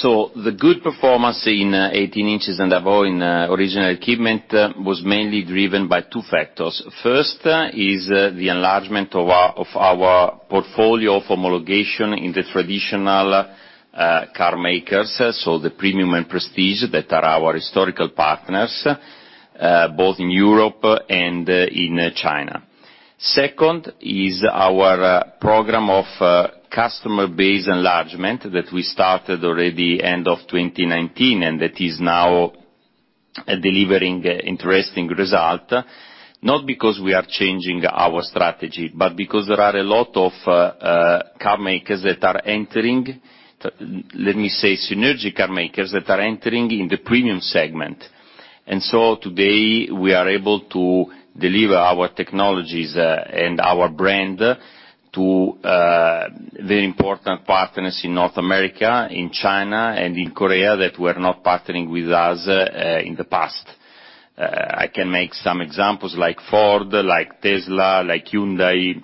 so the good performance in 18 inches and above in original equipment was mainly driven by two factors. First is the enlargement of our portfolio of homologation in the traditional car makers, so the premium and Prestige that are our historical partners both in Europe and in China. Second is our program of customer base enlargement that we started already end of 2019, and that is now delivering an interesting result, not because we are changing our strategy, but because there are a lot of carmakers that are entering, let me say, Chinese carmakers that are entering in the premium segment. And so today, we are able to deliver our technologies and our brand to very important partners in North America, in China, and in Korea, that were not partnering with us in the past. I can make some examples, like Ford, like Tesla, like Hyundai,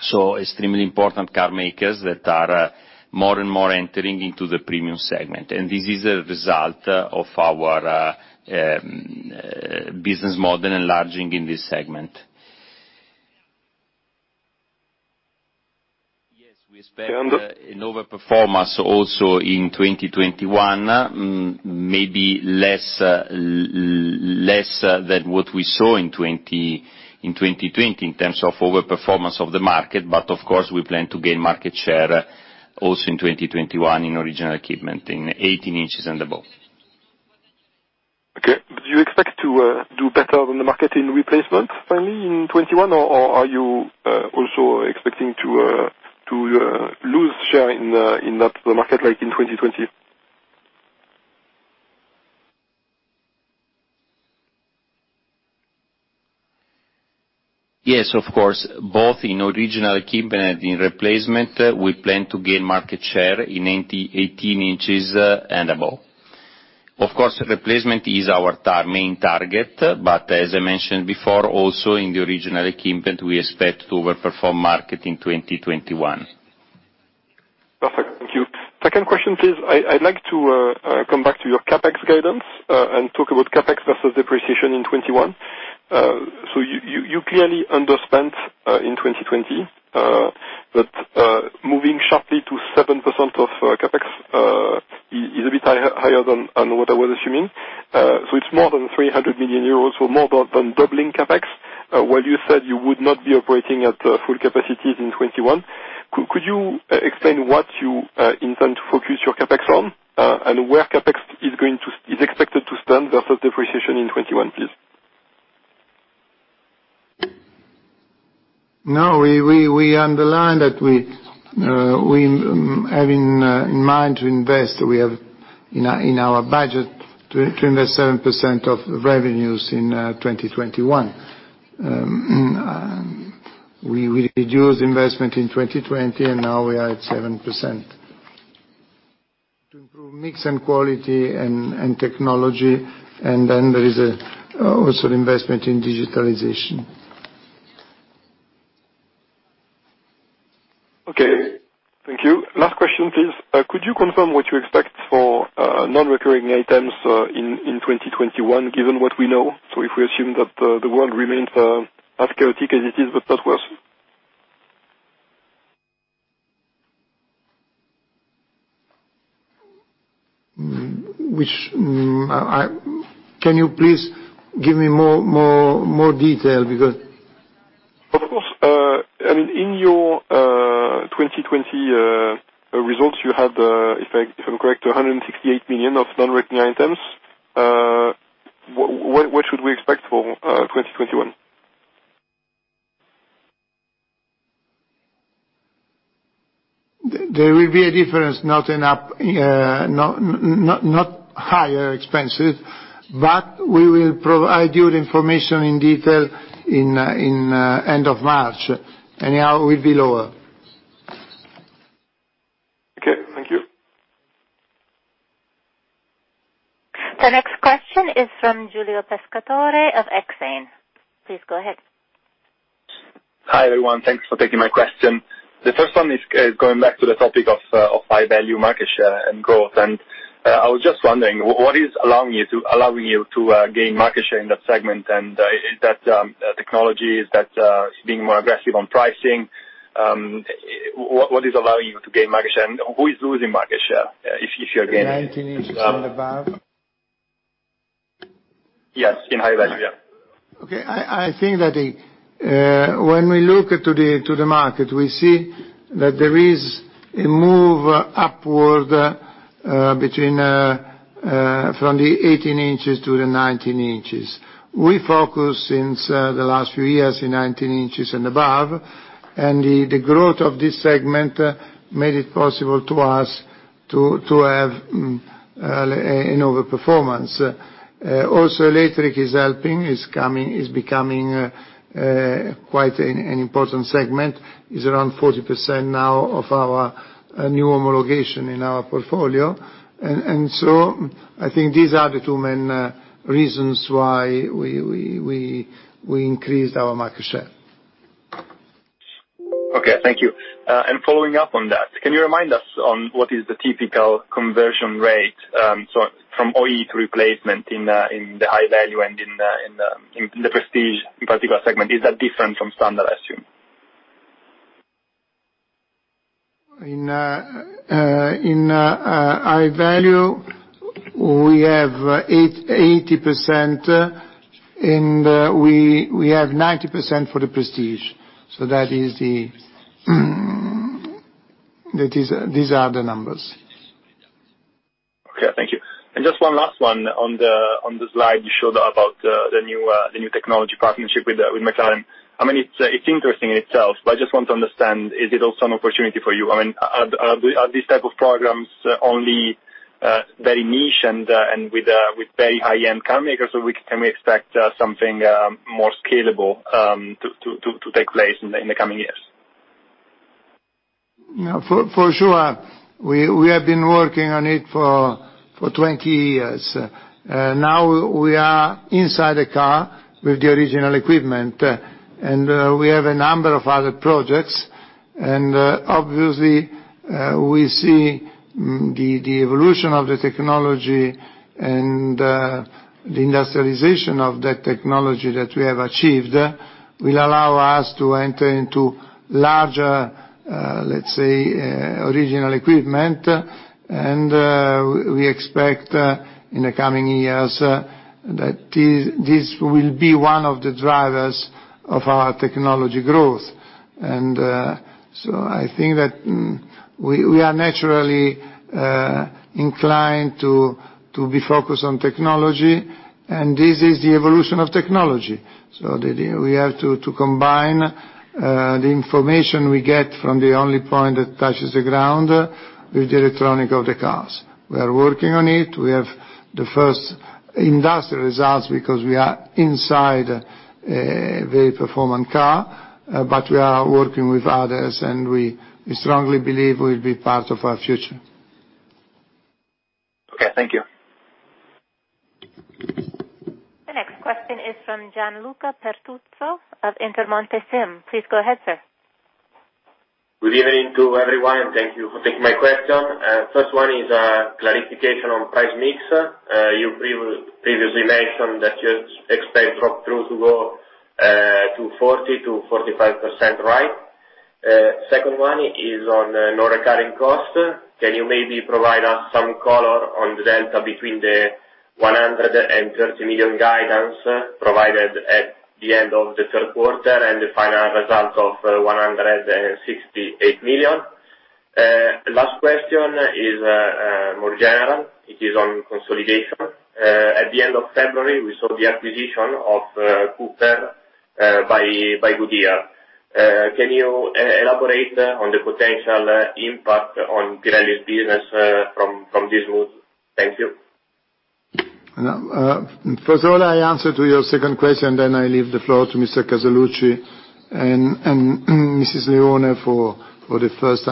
so extremely important carmakers that are more and more entering into the premium segment. And this is a result of our business model enlarging in this segment. Yes, we expect an overperformance also in 2021, maybe less than what we saw in 2020 in terms of overperformance of the market. But of course, we plan to gain market share also in 2021 in original equipment, in 18 inches and above.... Okay. Do you expect to do better than the market in replacement, finally, in 2021? Or are you also expecting to lose share in that market, like in 2020? Yes, of course, both in original equipment and in replacement, we plan to gain market share in 18 inches and above. Of course, replacement is our main target, but as I mentioned before, also in the original equipment, we expect to over-perform market in 2021. Perfect, thank you. Second question, please. I'd like to come back to your CapEx guidance and talk about CapEx versus depreciation in 2021. So you clearly underspent in 2020, but moving sharply to 7% of CapEx is a bit higher than what I was assuming. So it's more than 300 million euros, so more than doubling CapEx, while you said you would not be operating at full capacities in 2021. Could you explain what you intend to focus your CapEx on and where CapEx is expected to stand versus depreciation in 2021, please? No, we underline that we have in mind to invest. We have in our budget to invest 7% of revenues in 2021. We reduced investment in 2020, and now we are at 7%. To improve mix and quality and technology, and then there is also investment in digitalization. Okay, thank you. Last question, please. Could you confirm what you expect for non-recurring items in 2021, given what we know? So if we assume that the world remains as chaotic as it is, but that worse. Can you please give me more, more, more detail, because- Of course. I mean, in your 2020 results, you had, if I'm correct, 168 million of non-recurring items. What should we expect for 2021? There will be a difference, not higher expenses, but we will provide you the information in detail in end of March. Anyhow, it will be lower. Okay, thank you. The next question is from Giulio Pescatore of Exane. Please go ahead. Hi, everyone. Thanks for taking my question. The first one is going back to the topic of High Value market share and growth. I was just wondering, what is allowing you to gain market share in that segment? Is that technology, is that being more aggressive on pricing? What is allowing you to gain market share, and who is losing market share, if you are gaining? 19 inches and above? Yes, in High Value, yeah. Okay. I think that when we look to the market, we see that there is a move upward from the 18 inches to the 19 inches. We focus since the last few years in 19 inches and above, and the growth of this segment made it possible to us to have an overperformance. Also, electric is helping, is coming, is becoming quite an important segment. It's around 40% now of our new homologation in our portfolio. And so I think these are the two main reasons why we increased our market share. Okay, thank you. And following up on that, can you remind us on what is the typical conversion rate, so from OE to replacement in the high value and in the Prestige, in particular, segment? Is that different from Standard, I assume? In High Value, we have 80%, and we have 90% for the Prestige. So that is the... That is, these are the numbers. Okay, thank you. And just one last one on the slide you showed about the new technology partnership with McLaren. I mean, it's interesting in itself, but I just want to understand, is it also an opportunity for you? I mean, are these type of programs only very niche and with very high-end car makers, or can we expect something more scalable to take place in the coming years? Yeah, for sure. We have been working on it for 20 years. Now we are inside the car with the original equipment, and we have a number of other projects. And obviously, we see the evolution of the technology and the industrialization of that technology that we have achieved will allow us to enter into larger, let's say, original equipment. And we expect in the coming years that this will be one of the drivers of our technology growth. And so I think that we are naturally inclined to be focused on technology, and this is the evolution of technology. So we have to combine the information we get from the only point that touches the ground with the electronics of the cars. We are working on it. We have the first industrial results because we are inside a very performant car, but we are working with others, and we strongly believe will be part of our future. Okay, thank you. The next question is from Gianluca Bertuzzo of Intermonte SIM. Please go ahead, sir. Good evening to everyone, and thank you for taking my question. First one is clarification on price mix. You previously mentioned that you expect drop-through to go to 40%-45%, right? Second one is on non-recurring cost. Can you maybe provide us some color on the delta between the 130 million guidance provided at the end of the third quarter and the final result of 168 million? Last question is more general. It is on consolidation. At the end of February, we saw the acquisition of Cooper by Goodyear. Can you elaborate on the potential impact on Pirelli's business from this move? Thank you. First of all, I answer to your second question, then I leave the floor to Mr. Casaluci and Mrs. Leone for the first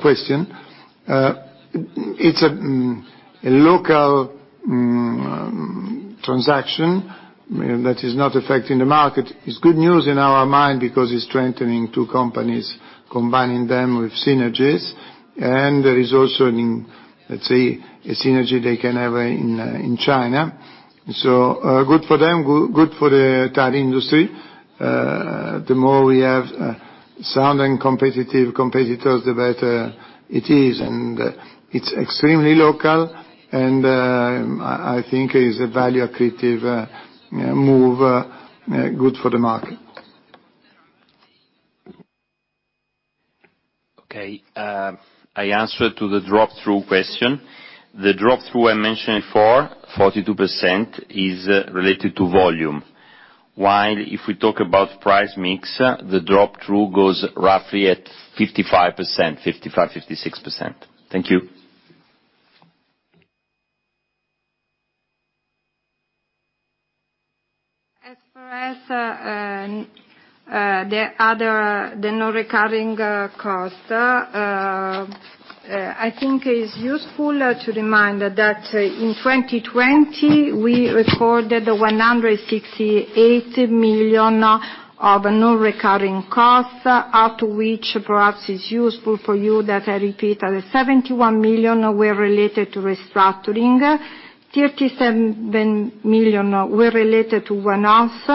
question. It's a local transaction that is not affecting the market. It's good news in our mind because it's strengthening two companies, combining them with synergies. And there is also an, let's say, a synergy they can have in China. So, good for them, good for the entire industry. The more we have sound and competitive competitors, the better it is, and it's extremely local, and I think it's a value-accretive move, good for the market. Okay, I answer to the drop-through question. The drop-through I mentioned before, 42%, is related to volume, while if we talk about price mix, the drop-through goes roughly at 55%-56%. Thank you. As for the other non-recurring cost, I think it's useful to remind that in 2020, we recorded 168 million of non-recurring costs, out of which perhaps it's useful for you that I repeat, 71 million were related to restructuring, 37 million were related to one-offs,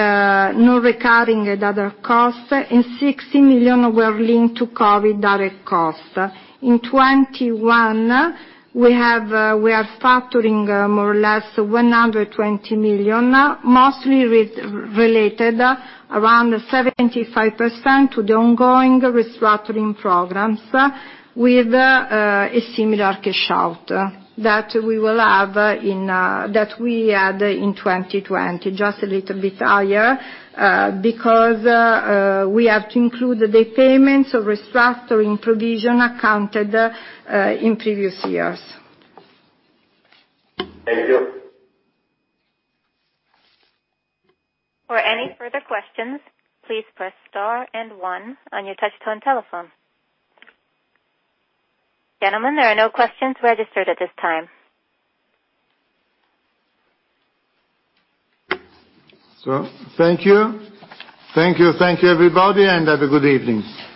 non-recurring and other costs, and 60 million were linked to COVID direct costs. In 2021, we are factoring more or less 120 million, mostly related around 75% to the ongoing restructuring programs with a similar cash out that we had in 2020. Just a little bit higher because we have to include the payments of restructuring provision accounted in previous years. Thank you. For any further questions, please press star and one on your touchtone telephone. Gentlemen, there are no questions registered at this time. Thank you. Thank you, thank you, everybody, and have a good evening.